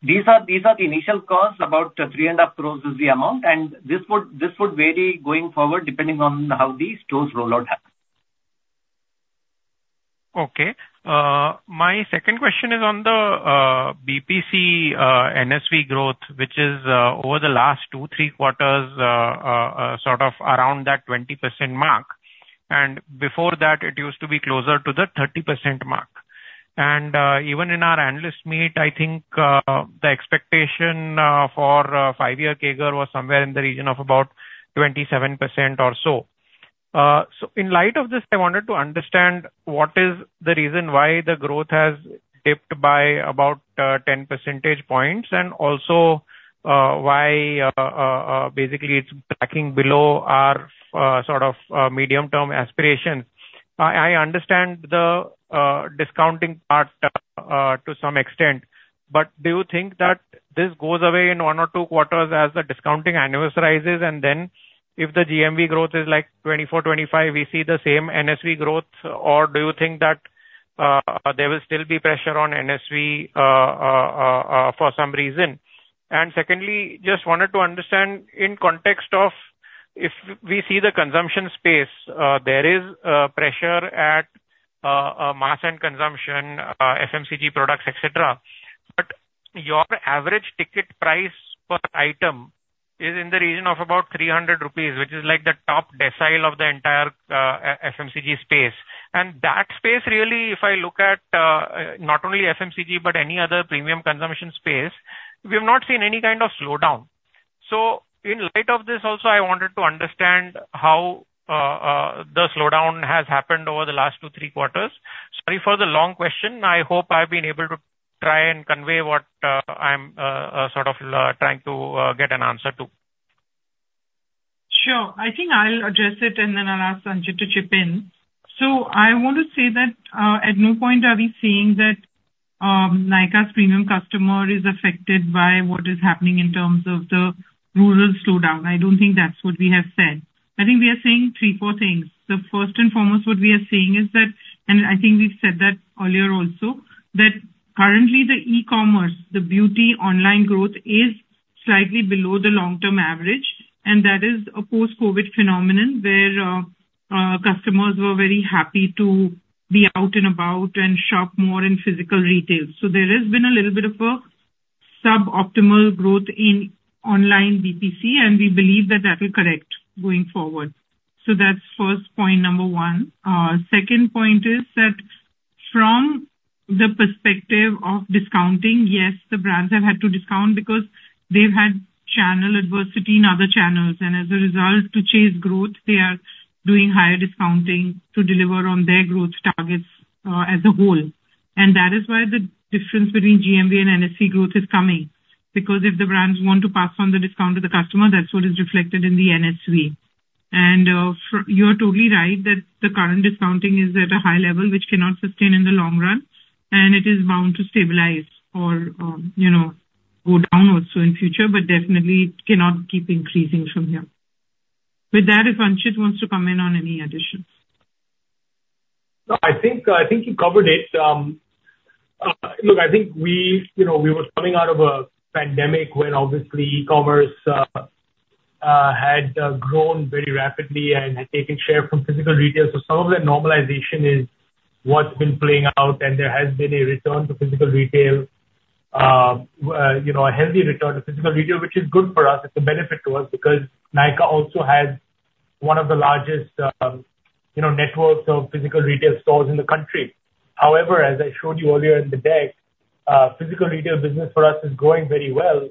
Speaker 4: these are the initial costs. About 3.5 crore is the amount, and this would, this would vary going forward, depending on how the stores rollout happens.
Speaker 10: Okay. My second question is on the BPC NSV growth, which is over the last 2, 3 quarters sort of around that 20% mark. And even in our analyst meet, I think the expectation for a 5-year CAGR was somewhere in the region of about 27% or so. So in light of this, I wanted to understand what is the reason why the growth has dipped by about 10 percentage points, and also why basically it's tracking below our sort of medium-term aspirations. I understand the discounting part to some extent, but do you think that this goes away in one or two quarters as the discounting annualizes? And then if the GMV growth is like 24-25, we see the same NSV growth, or do you think that there will still be pressure on NSV for some reason? And secondly, just wanted to understand, in context of if we see the consumption space, there is pressure at mass end consumption, FMCG products, et cetera. But your average ticket price per item is in the region of about 300 rupees, which is like the top decile of the entire E-FMCG space. And that space, really, if I look at not only FMCG, but any other premium consumption space, we have not seen any kind of slowdown. So in light of this also, I wanted to understand how the slowdown has happened over the last two, three quarters. Sorry for the long question. I hope I've been able to try and convey what I'm sort of trying to get an answer to.
Speaker 3: Sure. I think I'll address it, and then I'll ask Anchit to chip in. So I want to say that at no point are we saying that Nykaa's premium customer is affected by what is happening in terms of the rural slowdown. I don't think that's what we have said. I think we are saying three, four things. The first and foremost, what we are saying is that, and I think we've said that earlier also, that currently the e-commerce, the beauty online growth is slightly below the long-term average, and that is a post-COVID phenomenon, where customers were very happy to be out and about and shop more in physical retail. So there has been a little bit of a sub-optimal growth in online BPC, and we believe that that will correct going forward. So that's first point, number one. Second point is that from the perspective of discounting, yes, the brands have had to discount because they've had channel adversity in other channels, and as a result, to chase growth, they are doing higher discounting to deliver on their growth targets, as a whole. And that is why the difference between GMV and NSV growth is coming, because if the brands want to pass on the discount to the customer, that's what is reflected in the NSV. And you are totally right, that the current discounting is at a high level, which cannot sustain in the long run, and it is bound to stabilize or, you know, go down also in future, but definitely it cannot keep increasing from here. With that, if Anchit wants to come in on any additions.
Speaker 4: I think, I think you covered it. Look, I think we, you know, we were coming out of a pandemic where obviously e-commerce had grown very rapidly and had taken share from physical retail. So some of that normalization is what's been playing out, and there has been a return to physical retail, you know, a healthy return to physical retail, which is good for us. It's a benefit to us, because Nykaa also has one of the largest, you know, networks of physical retail stores in the country. However, as I showed you earlier in the day, physical retail business for us is growing very well,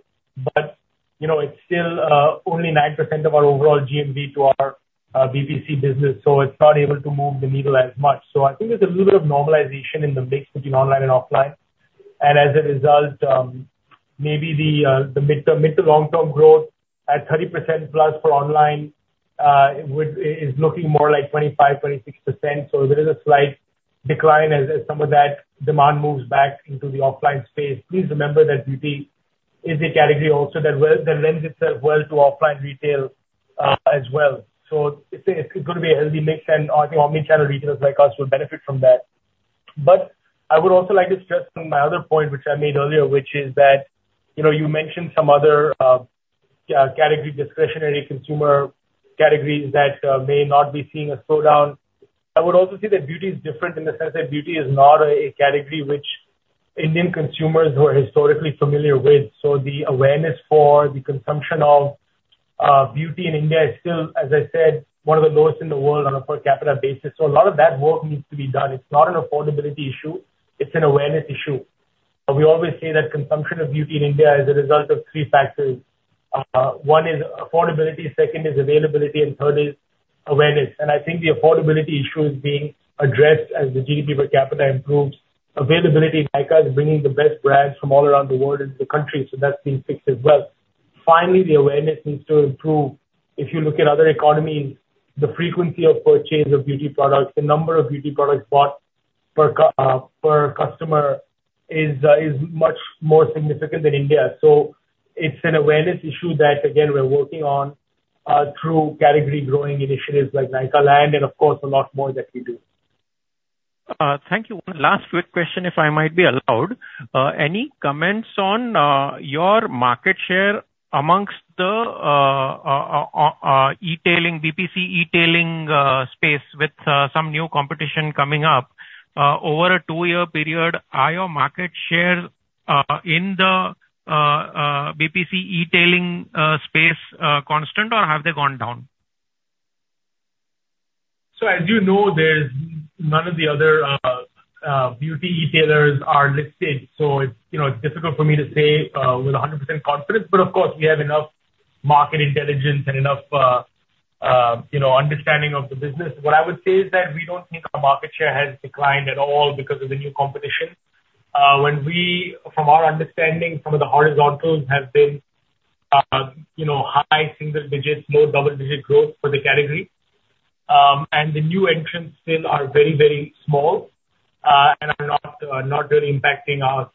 Speaker 4: but you know, it's still only 9% of our overall GMV to our BPC business, so it's not able to move the needle as much. So I think there's a little bit of normalization in the mix between online and offline. And as a result, maybe the mid-term, mid to long-term growth at 30%+ for online is looking more like 25-26%. So there is a slight decline as some of that demand moves back into the offline space. Please remember that beauty is a category also that lends itself well to offline retail, as well. So it's gonna be a healthy mix, and I think omni-channel retailers like us will benefit from that. But I would also like to stress on my other point, which I made earlier, which is that, you know, you mentioned some other category, discretionary consumer categories that may not be seeing a slowdown. I would also say that beauty is different in the sense that beauty is not a, a category which Indian consumers were historically familiar with. So the awareness for the consumption of beauty in India is still, as I said, one of the lowest in the world on a per capita basis. So a lot of that work needs to be done. It's not an affordability issue, it's an awareness issue. We always say that consumption of beauty in India is a result of three factors. One is affordability, second is availability, and third is awareness. And I think the affordability issue is being addressed as the GDP per capita improves. Availability, Nykaa is bringing the best brands from all around the world into the country, so that's being fixed as well. Finally, the awareness needs to improve. If you look at other economies, the frequency of purchase of beauty products, the number of beauty products bought per customer is much more significant than India. So it's an awareness issue that, again, we're working on through category growing initiatives like Nykaa Land, and of course, a lot more that we do.
Speaker 10: Thank you. One last quick question, if I might be allowed. Any comments on your market share amongst the e-tailing, BPC e-tailing space with some new competition coming up over a two-year period? Are your market share in the BPC e-tailing space constant, or have they gone down?...
Speaker 4: So as you know, there's none of the other, beauty e-tailers are listed, so it's, you know, difficult for me to say, with 100% confidence. But of course, we have enough market intelligence and enough, you know, understanding of the business. What I would say is that we don't think our market share has declined at all because of the new competition. When we-- From our understanding, some of the horizontals have been, you know, high single digits, low double-digit growth for the category. And the new entrants still are very, very small, and are not, not really impacting us,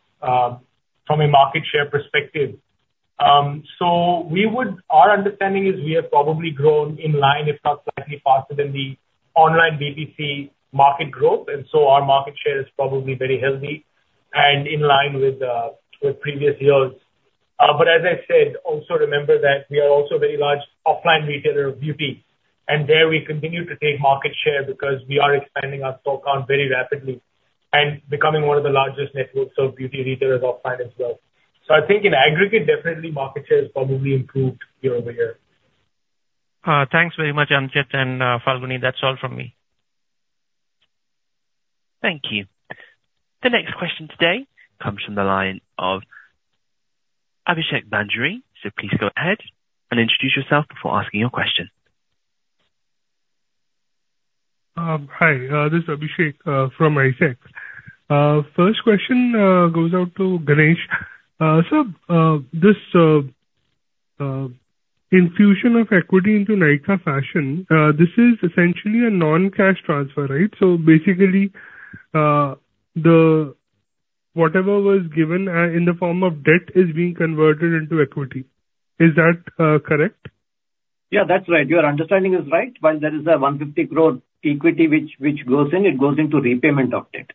Speaker 4: from a market share perspective. So we would... Our understanding is we have probably grown in line, if not slightly faster than the online BPC market growth, and so our market share is probably very healthy and in line with, with previous years. But as I said, also remember that we are also a very large offline retailer of beauty, and there we continue to take market share because we are expanding our store count very rapidly and becoming one of the largest networks of beauty retailers offline as well. So I think in aggregate, definitely market share has probably improved year-over-year.
Speaker 10: Thanks very much, Anchit and, Falguni. That's all from me.
Speaker 1: Thank you. The next question today comes from the line of Abhishek Banerjee. So please go ahead and introduce yourself before asking your question.
Speaker 11: Hi, this is Abhishek from ICICI Securities. First question goes out to Ganesh. So, infusion of equity into Nykaa Fashion, this is essentially a non-cash transfer, right? So basically, whatever was given in the form of debt is being converted into equity. Is that correct?
Speaker 7: Yeah, that's right. Your understanding is right. While there is 150 crore equity which goes in, it goes into repayment of debt.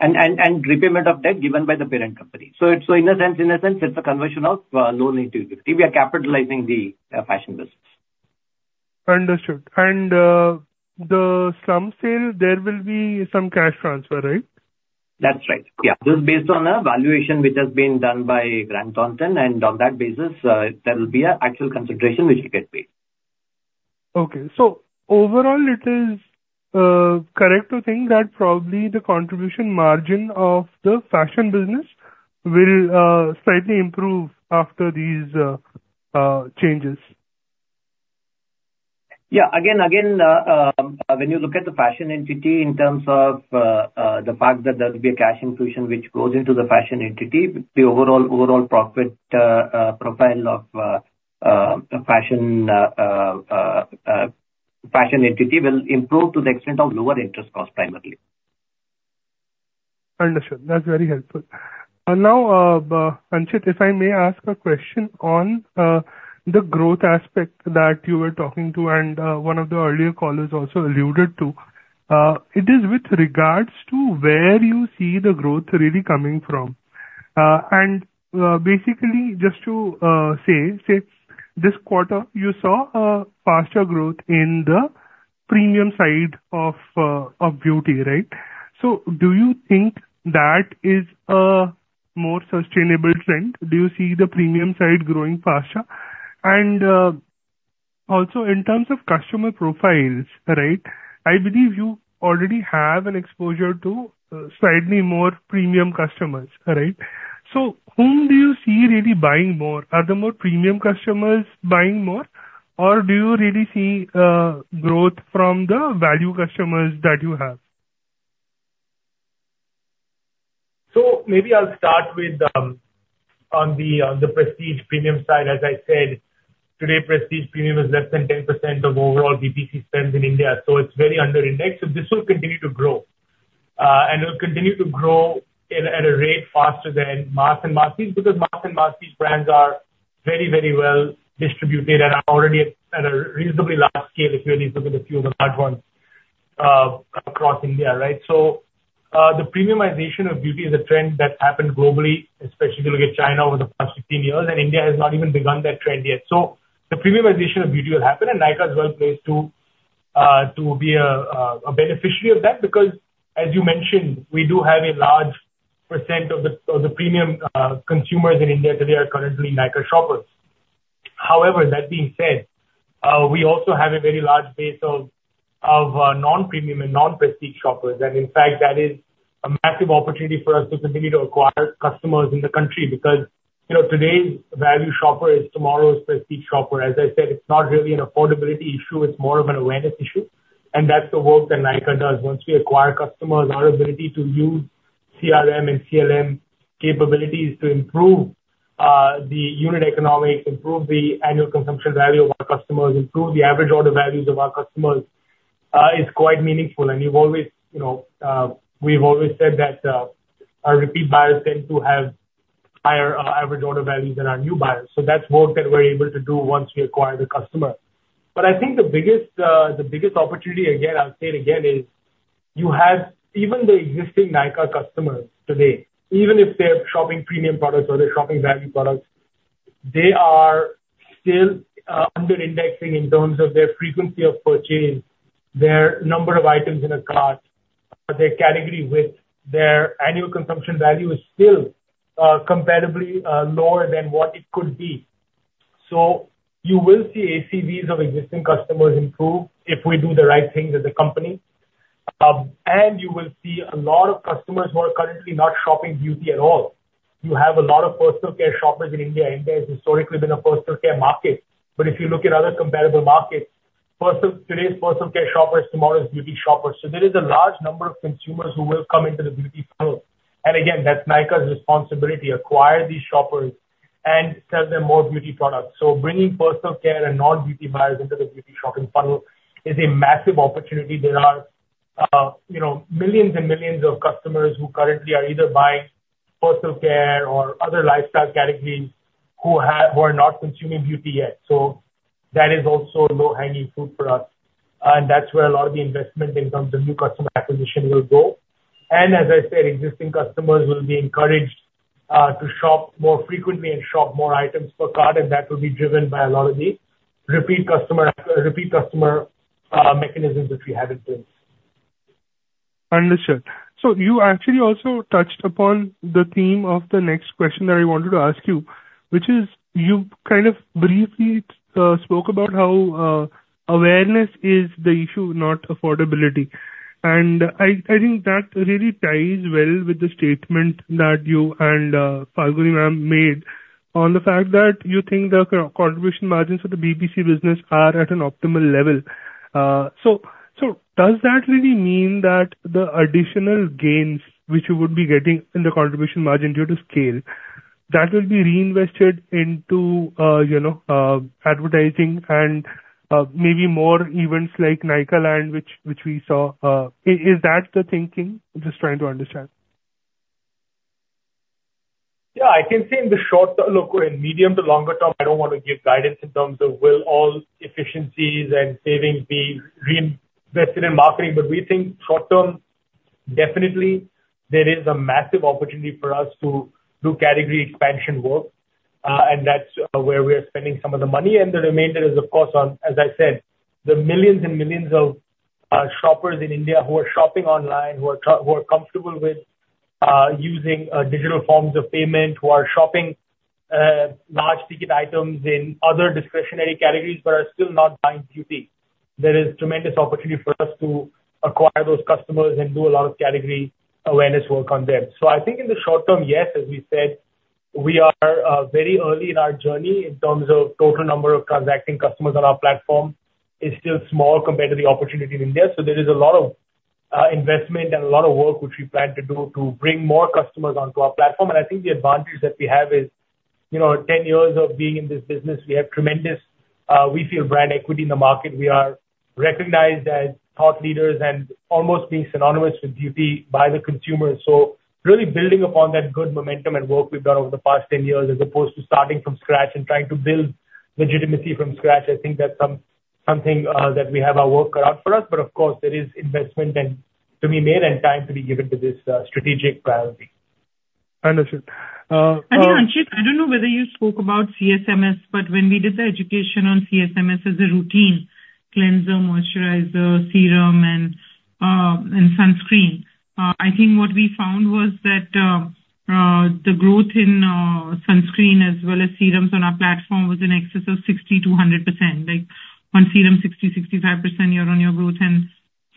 Speaker 7: And repayment of debt given by the parent company. So in a sense, it's a conversion of loan into equity. We are capitalizing the fashion business.
Speaker 11: Understood. The some sale, there will be some cash transfer, right?
Speaker 7: That's right. Yeah. This is based on a valuation which has been done by Grant Thornton, and on that basis, there will be an actual consideration which we get paid.
Speaker 11: Okay. So overall, it is correct to think that probably the Contribution Margin of the fashion business will changes?
Speaker 7: Yeah. Again, when you look at the fashion entity in terms of the fact that there will be a cash infusion which goes into the fashion entity, the overall profit profile of the fashion entity will improve to the extent of lower interest costs, primarily.
Speaker 11: Understood. That's very helpful. And now, Anchit, if I may ask a question on the growth aspect that you were talking to, and one of the earlier callers also alluded to. It is with regards to where you see the growth really coming from. And basically, just to say, this quarter, you saw a faster growth in the premium side of beauty, right? So do you think that is a more sustainable trend? Do you see the premium side growing faster? And also in terms of customer profiles, right, I believe you already have an exposure to slightly more premium customers, right? So whom do you see really buying more? Are the more premium customers buying more, or do you really see growth from the value customers that you have?
Speaker 4: So maybe I'll start with, on the, on the prestige premium side. As I said, today, prestige premium is less than 10% of overall BPC spends in India, so it's very under indexed. So this will continue to grow. And it'll continue to grow at, at a rate faster than mass and masstige, because mass and masstige brands are very, very well distributed and are already at a reasonably large scale, if you really look at a few of the large ones, across India, right? So, the premiumization of beauty is a trend that happened globally, especially if you look at China over the past 15 years, and India has not even begun that trend yet. So the premiumization of beauty will happen, and Nykaa is well placed to, to be a, a beneficiary of that. Because, as you mentioned, we do have a large percent of the premium consumers in India today are currently Nykaa shoppers. However, that being said, we also have a very large base of non-premium and non-prestige shoppers. And in fact, that is a massive opportunity for us to continue to acquire customers in the country, because, you know, today's value shopper is tomorrow's prestige shopper. As I said, it's not really an affordability issue, it's more of an awareness issue, and that's the work that Nykaa does. Once we acquire customers, our ability to use CRM and CLM capabilities to improve the unit economics, improve the annual consumption value of our customers, improve the average order values of our customers, is quite meaningful. We've always, you know, we've always said that our repeat buyers tend to have higher average order values than our new buyers. So that's work that we're able to do once we acquire the customer. But I think the biggest, the biggest opportunity, again, I'll say it again, is you have even the existing Nykaa customers today, even if they're shopping premium products or they're shopping value products, they are still under indexing in terms of their frequency of purchase, their number of items in a cart, their category with their annual consumption value is still comparably lower than what it could be. So you will see ACVs of existing customers improve if we do the right things as a company. And you will see a lot of customers who are currently not shopping beauty at all. You have a lot of personal care shoppers in India. India has historically been a personal care market, but if you look at other comparable markets, personal—today's personal care shoppers, tomorrow's beauty shoppers. So there is a large number of consumers who will come into the beauty funnel. And again, that's Nykaa's responsibility: acquire these shoppers and sell them more beauty products. So bringing personal care and non-beauty buyers into the beauty shopping funnel is a massive opportunity. There are, you know, millions and millions of customers who currently are either buying personal care or other lifestyle categories, who are not consuming beauty yet. So that is also a low-hanging fruit for us, and that's where a lot of the investment in terms of new customer acquisition will go. As I said, existing customers will be encouraged to shop more frequently and shop more items per cart, and that will be driven by a lot of the repeat customer mechanisms that we have in place.
Speaker 11: Understood. So you actually also touched upon the theme of the next question that I wanted to ask you, which is, you kind of briefly spoke about how awareness is the issue, not affordability. And I think that really ties well with the statement that you and Falguni ma'am made on the fact that you think the contribution margins for the BPC business are at an optimal level. So does that really mean that the additional gains which you would be getting in the contribution margin due to scale, that will be reinvested into you know advertising and maybe more events like Nykaa Land, which we saw? Is that the thinking? Just trying to understand.
Speaker 4: Yeah, I can say in the short term... Look, in medium to longer term, I don't want to give guidance in terms of will all efficiencies and savings be reinvested in marketing. But we think short term, definitely there is a massive opportunity for us to do category expansion work, and that's where we are spending some of the money. And the remainder is, of course, on, as I said, the millions and millions of shoppers in India who are shopping online, who are comfortable with using digital forms of payment, who are shopping large-ticket items in other discretionary categories but are still not buying beauty. There is tremendous opportunity for us to acquire those customers and do a lot of category awareness work on them. So I think in the short term, yes, as we said, we are very early in our journey in terms of total number of transacting customers on our platform is still small compared to the opportunity in India. So there is a lot of investment and a lot of work which we plan to do to bring more customers onto our platform. And I think the advantage that we have is, you know, ten years of being in this business, we have tremendous, we feel brand equity in the market. We are recognized as thought leaders and almost being synonymous with beauty by the consumer. So really building upon that good momentum and work we've done over the past 10 years, as opposed to starting from scratch and trying to build legitimacy from scratch, I think that's something that we have our work cut out for us. But of course, there is investment and to be made and time to be given to this strategic priority.
Speaker 11: Understood.
Speaker 3: And, Anchit, I don't know whether you spoke about CSMS, but when we did the education on CSMS as a routine, cleanser, moisturizer, serum, and sunscreen, I think what we found was that the growth in sunscreen as well as serums on our platform was in excess of 60%-100%. Like, on serum, 65% year-on-year growth, and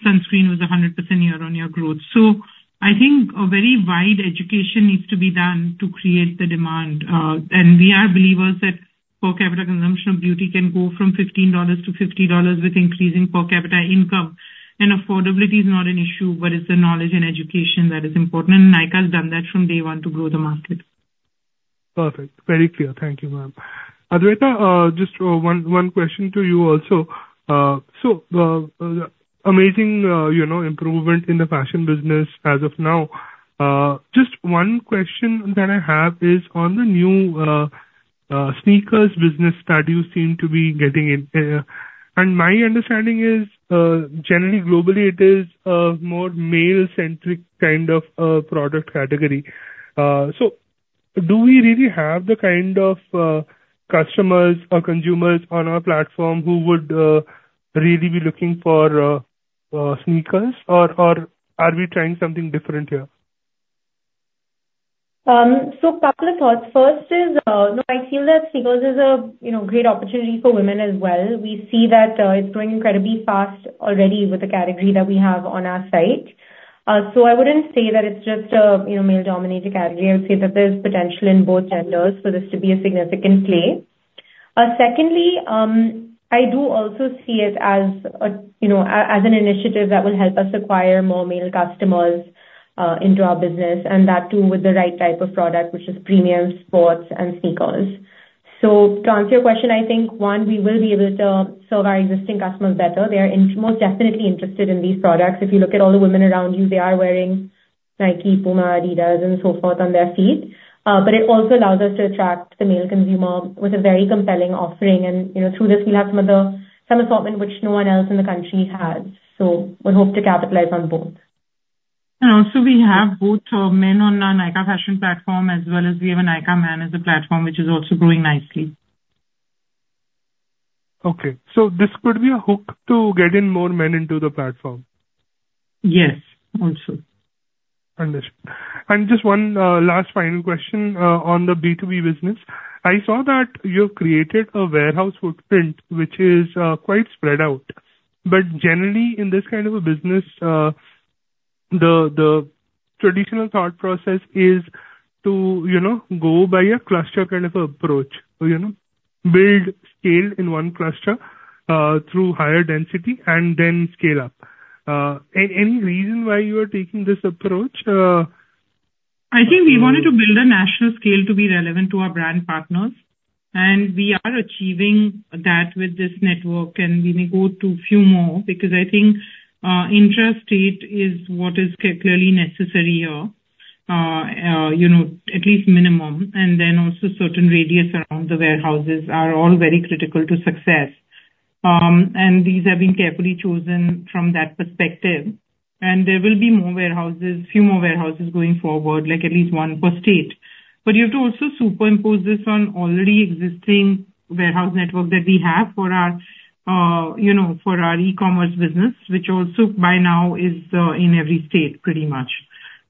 Speaker 3: sunscreen was a 100% year-on-year growth. So I think a very wide education needs to be done to create the demand. And we are believers that per capita consumption of beauty can go from $15 to $50 with increasing per capita income. And affordability is not an issue, but it's the knowledge and education that is important, and Nykaa's done that from day one to grow the market.
Speaker 11: Perfect. Very clear. Thank you, ma'am. Adwaita, just one question to you also. So, the amazing, you know, improvement in the fashion business as of now. Just one question that I have is on the new sneakers business that you seem to be getting in. And my understanding is, generally, globally, it is a more male-centric kind of product category. So do we really have the kind of customers or consumers on our platform who would really be looking for sneakers, or are we trying something different here?
Speaker 5: A couple of thoughts. First is, I feel that sneakers is a, you know, great opportunity for women as well. We see that, it's growing incredibly fast already with the category that we have on our site. So I wouldn't say that it's just a, you know, male-dominated category. I'd say that there's potential in both genders for this to be a significant play. Secondly, I do also see it as a, you know, as an initiative that will help us acquire more male customers, into our business, and that too, with the right type of product, which is premium sports and sneakers. So to answer your question, I think, one, we will be able to serve our existing customers better. They are, most definitely interested in these products. If you look at all the women around you, they are wearing Nike, Puma, Adidas and so forth, on their feet. But it also allows us to attract the male consumer with a very compelling offering. And, you know, through this, we'll have some other, some assortment which no one else in the country has, so we hope to capitalize on both.
Speaker 3: Also, we have both men on our Nykaa Fashion platform, as well as we have a Nykaa Man as a platform, which is also growing nicely....
Speaker 11: Okay, so this could be a hook to get in more men into the platform?
Speaker 3: Yes, also.
Speaker 11: Understood. And just one last final question on the B2B business. I saw that you've created a warehouse footprint, which is quite spread out. But generally, in this kind of a business, the traditional thought process is to, you know, go by a cluster kind of approach. So, you know, build scale in one cluster through higher density and then scale up. Any reason why you are taking this approach?
Speaker 3: I think we wanted to build a national scale to be relevant to our brand partners, and we are achieving that with this network, and we may go to few more because I think, intra-state is what is clearly necessary here. You know, at least minimum, and then also certain radius around the warehouses are all very critical to success. And these have been carefully chosen from that perspective. And there will be more warehouses, few more warehouses going forward, like at least one per state. But you have to also superimpose this on already existing warehouse network that we have for our, you know, for our e-commerce business, which also by now is in every state, pretty much.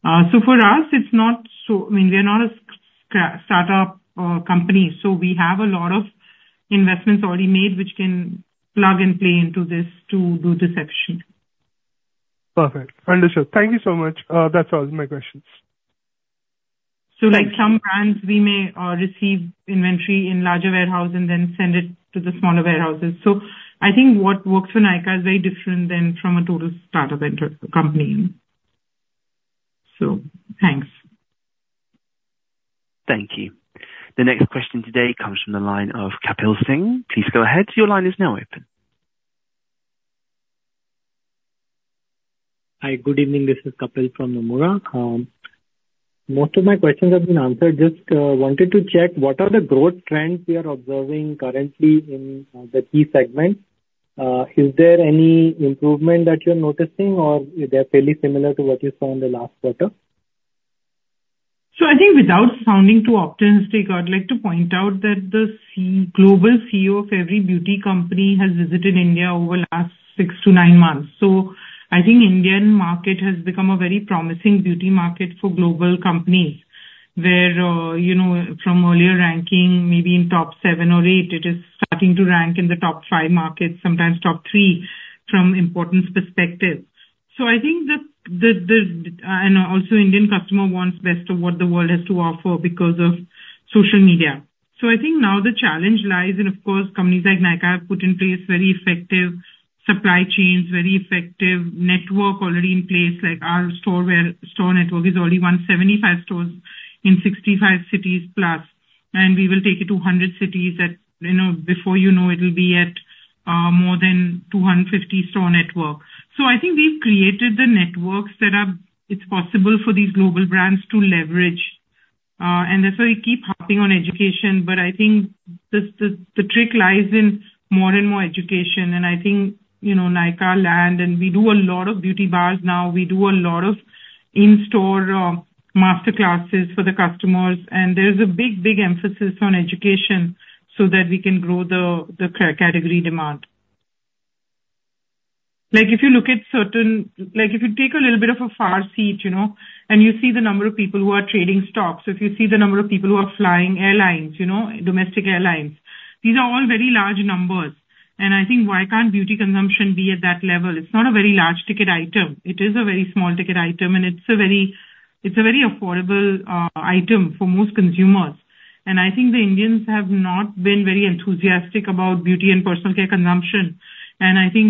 Speaker 3: So for us, it's not so—I mean, we are not a startup company, so we have a lot of investments already made, which can plug and play into this to do this efficiently.
Speaker 11: Perfect. Understood. Thank you so much. That's all my questions.
Speaker 3: So, like some brands, we may receive inventory in larger warehouse and then send it to the smaller warehouses. So I think what works for Nykaa is very different than from a total startup enter company. So thanks.
Speaker 1: Thank you. The next question today comes from the line of Kapil Singh. Please go ahead. Your line is now open.
Speaker 12: Hi, good evening. This is Kapil from Nomura. Most of my questions have been answered. Just wanted to check, what are the growth trends we are observing currently in the key segments? Is there any improvement that you're noticing, or they're fairly similar to what you saw in the last quarter?
Speaker 3: So I think without sounding too optimistic, I'd like to point out that the CEO global CEO of every beauty company has visited India over the last 6-9 months. So I think Indian market has become a very promising beauty market for global companies, where, you know, from earlier ranking, maybe in top 7 or 8, it is starting to rank in the top 5 markets, sometimes top 3, from importance perspective. So I think that the and also Indian customer wants best of what the world has to offer because of social media. So I think now the challenge lies, and of course, companies like Nykaa have put in place very effective supply chains, very effective network already in place, like our store network is already 175 stores in 65 cities plus, and we will take it to 100 cities that, you know, before you know it, it'll be at more than 250 store network. So I think we've created the network set up. It's possible for these global brands to leverage, and that's why we keep harping on education. But I think the trick lies in more and more education. And I think, you know, Nykaa Land, and we do a lot of beauty bars now. We do a lot of in-store master classes for the customers, and there's a big, big emphasis on education so that we can grow the category demand. Like, if you look at certain... Like, if you take a little bit of a far seat, you know, and you see the number of people who are trading stocks, if you see the number of people who are flying airlines, you know, domestic airlines, these are all very large numbers. And I think, why can't beauty consumption be at that level? It's not a very large ticket item. It is a very small ticket item, and it's a very affordable item for most consumers. And I think the Indians have not been very enthusiastic about beauty and personal care consumption. And I think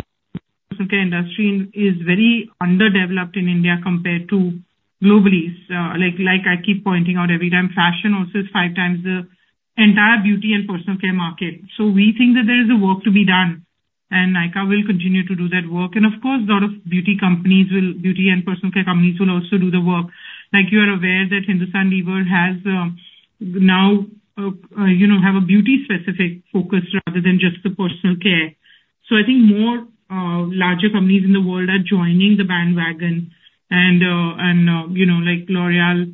Speaker 3: personal care industry is very underdeveloped in India compared to globally. Like, I keep pointing out every time, fashion also is five times the entire beauty and personal care market. So we think that there is a work to be done, and Nykaa will continue to do that work. And of course, a lot of beauty companies will, beauty and personal care companies will also do the work. Like, you are aware that Hindustan Lever has, now, you know, have a beauty-specific focus rather than just the personal care. So I think more, larger companies in the world are joining the bandwagon. And, you know, like L'Oréal,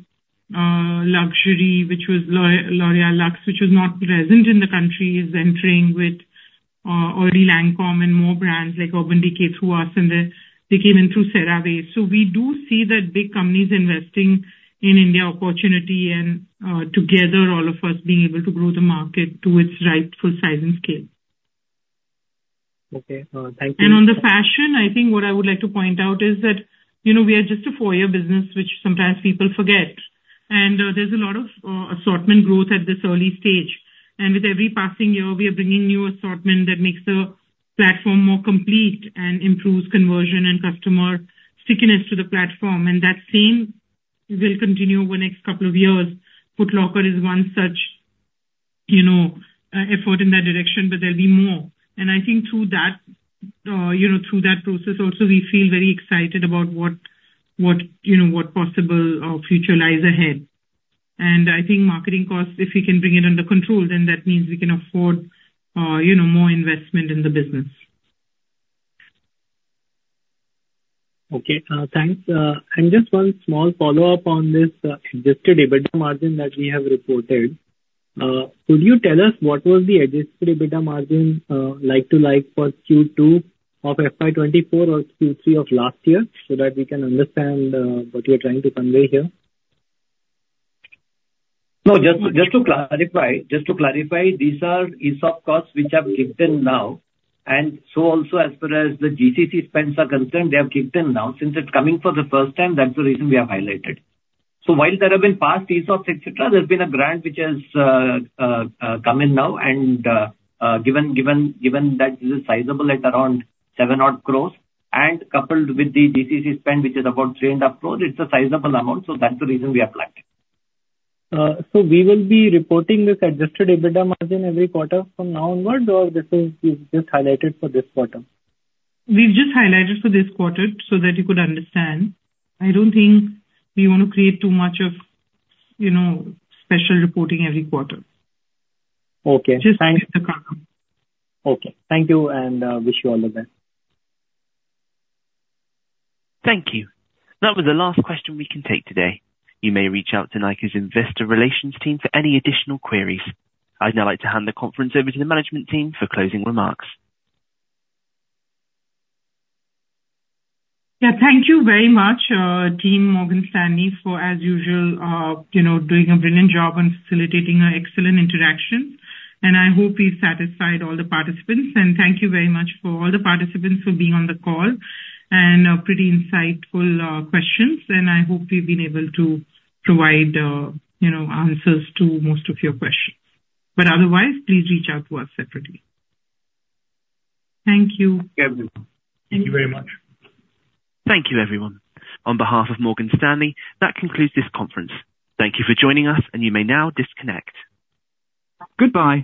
Speaker 3: luxury, which was L'Oréal Luxe, which was not present in the country, is entering with, or Lancôme and more brands like Urban Decay through us, and, they came in through CeraVe. We do see that big companies investing in India opportunity and, together, all of us being able to grow the market to its right full size and scale.
Speaker 12: Okay, thank you.
Speaker 3: On the fashion, I think what I would like to point out is that, you know, we are just a four-year business, which sometimes people forget. And there's a lot of assortment growth at this early stage. And with every passing year, we are bringing new assortment that makes the platform more complete and improves conversion and customer stickiness to the platform. And that same will continue over the next couple of years. Foot Locker is one such, you know, effort in that direction, but there'll be more. And I think through that, you know, through that process also, we feel very excited about what, what, you know, what possible future lies ahead. And I think marketing costs, if we can bring it under control, then that means we can afford, you know, more investment in the business....
Speaker 12: Okay, thanks. Just one small follow-up on this adjusted EBITDA margin that we have reported. Could you tell us what was the adjusted EBITDA margin, like-to-like for Q2 of FY 2024 or Q3 of last year, so that we can understand what you are trying to convey here?
Speaker 7: No, just to clarify, these are ESOP costs which have kicked in now, and so also as far as the GCC spends are concerned, they have kicked in now. Since it's coming for the first time, that's the reason we have highlighted. So while there have been past ESOP, et cetera, there's been a grant which has come in now, and given that this is sizable at around 7 crore and coupled with the GCC spend, which is about 3.5 crore, it's a sizable amount, so that's the reason we have flagged it.
Speaker 12: So we will be reporting this adjusted EBITDA margin every quarter from now onward, or this is just highlighted for this quarter?
Speaker 3: We've just highlighted for this quarter so that you could understand. I don't think we want to create too much of, you know, special reporting every quarter.
Speaker 12: Okay, thanks.
Speaker 3: Just
Speaker 12: Okay, thank you, and wish you all the best.
Speaker 1: Thank you. That was the last question we can take today. You may reach out to Nykaa's investor relations team for any additional queries. I'd now like to hand the conference over to the management team for closing remarks.
Speaker 3: Yeah, thank you very much, team Morgan Stanley, for as usual, you know, doing a brilliant job on facilitating an excellent interaction. And I hope we've satisfied all the participants. And thank you very much for all the participants for being on the call and, pretty insightful questions. And I hope we've been able to provide, you know, answers to most of your questions, but otherwise, please reach out to us separately. Thank you.
Speaker 7: Thank you very much.
Speaker 1: Thank you, everyone. On behalf of Morgan Stanley, that concludes this conference. Thank you for joining us, and you may now disconnect. Goodbye.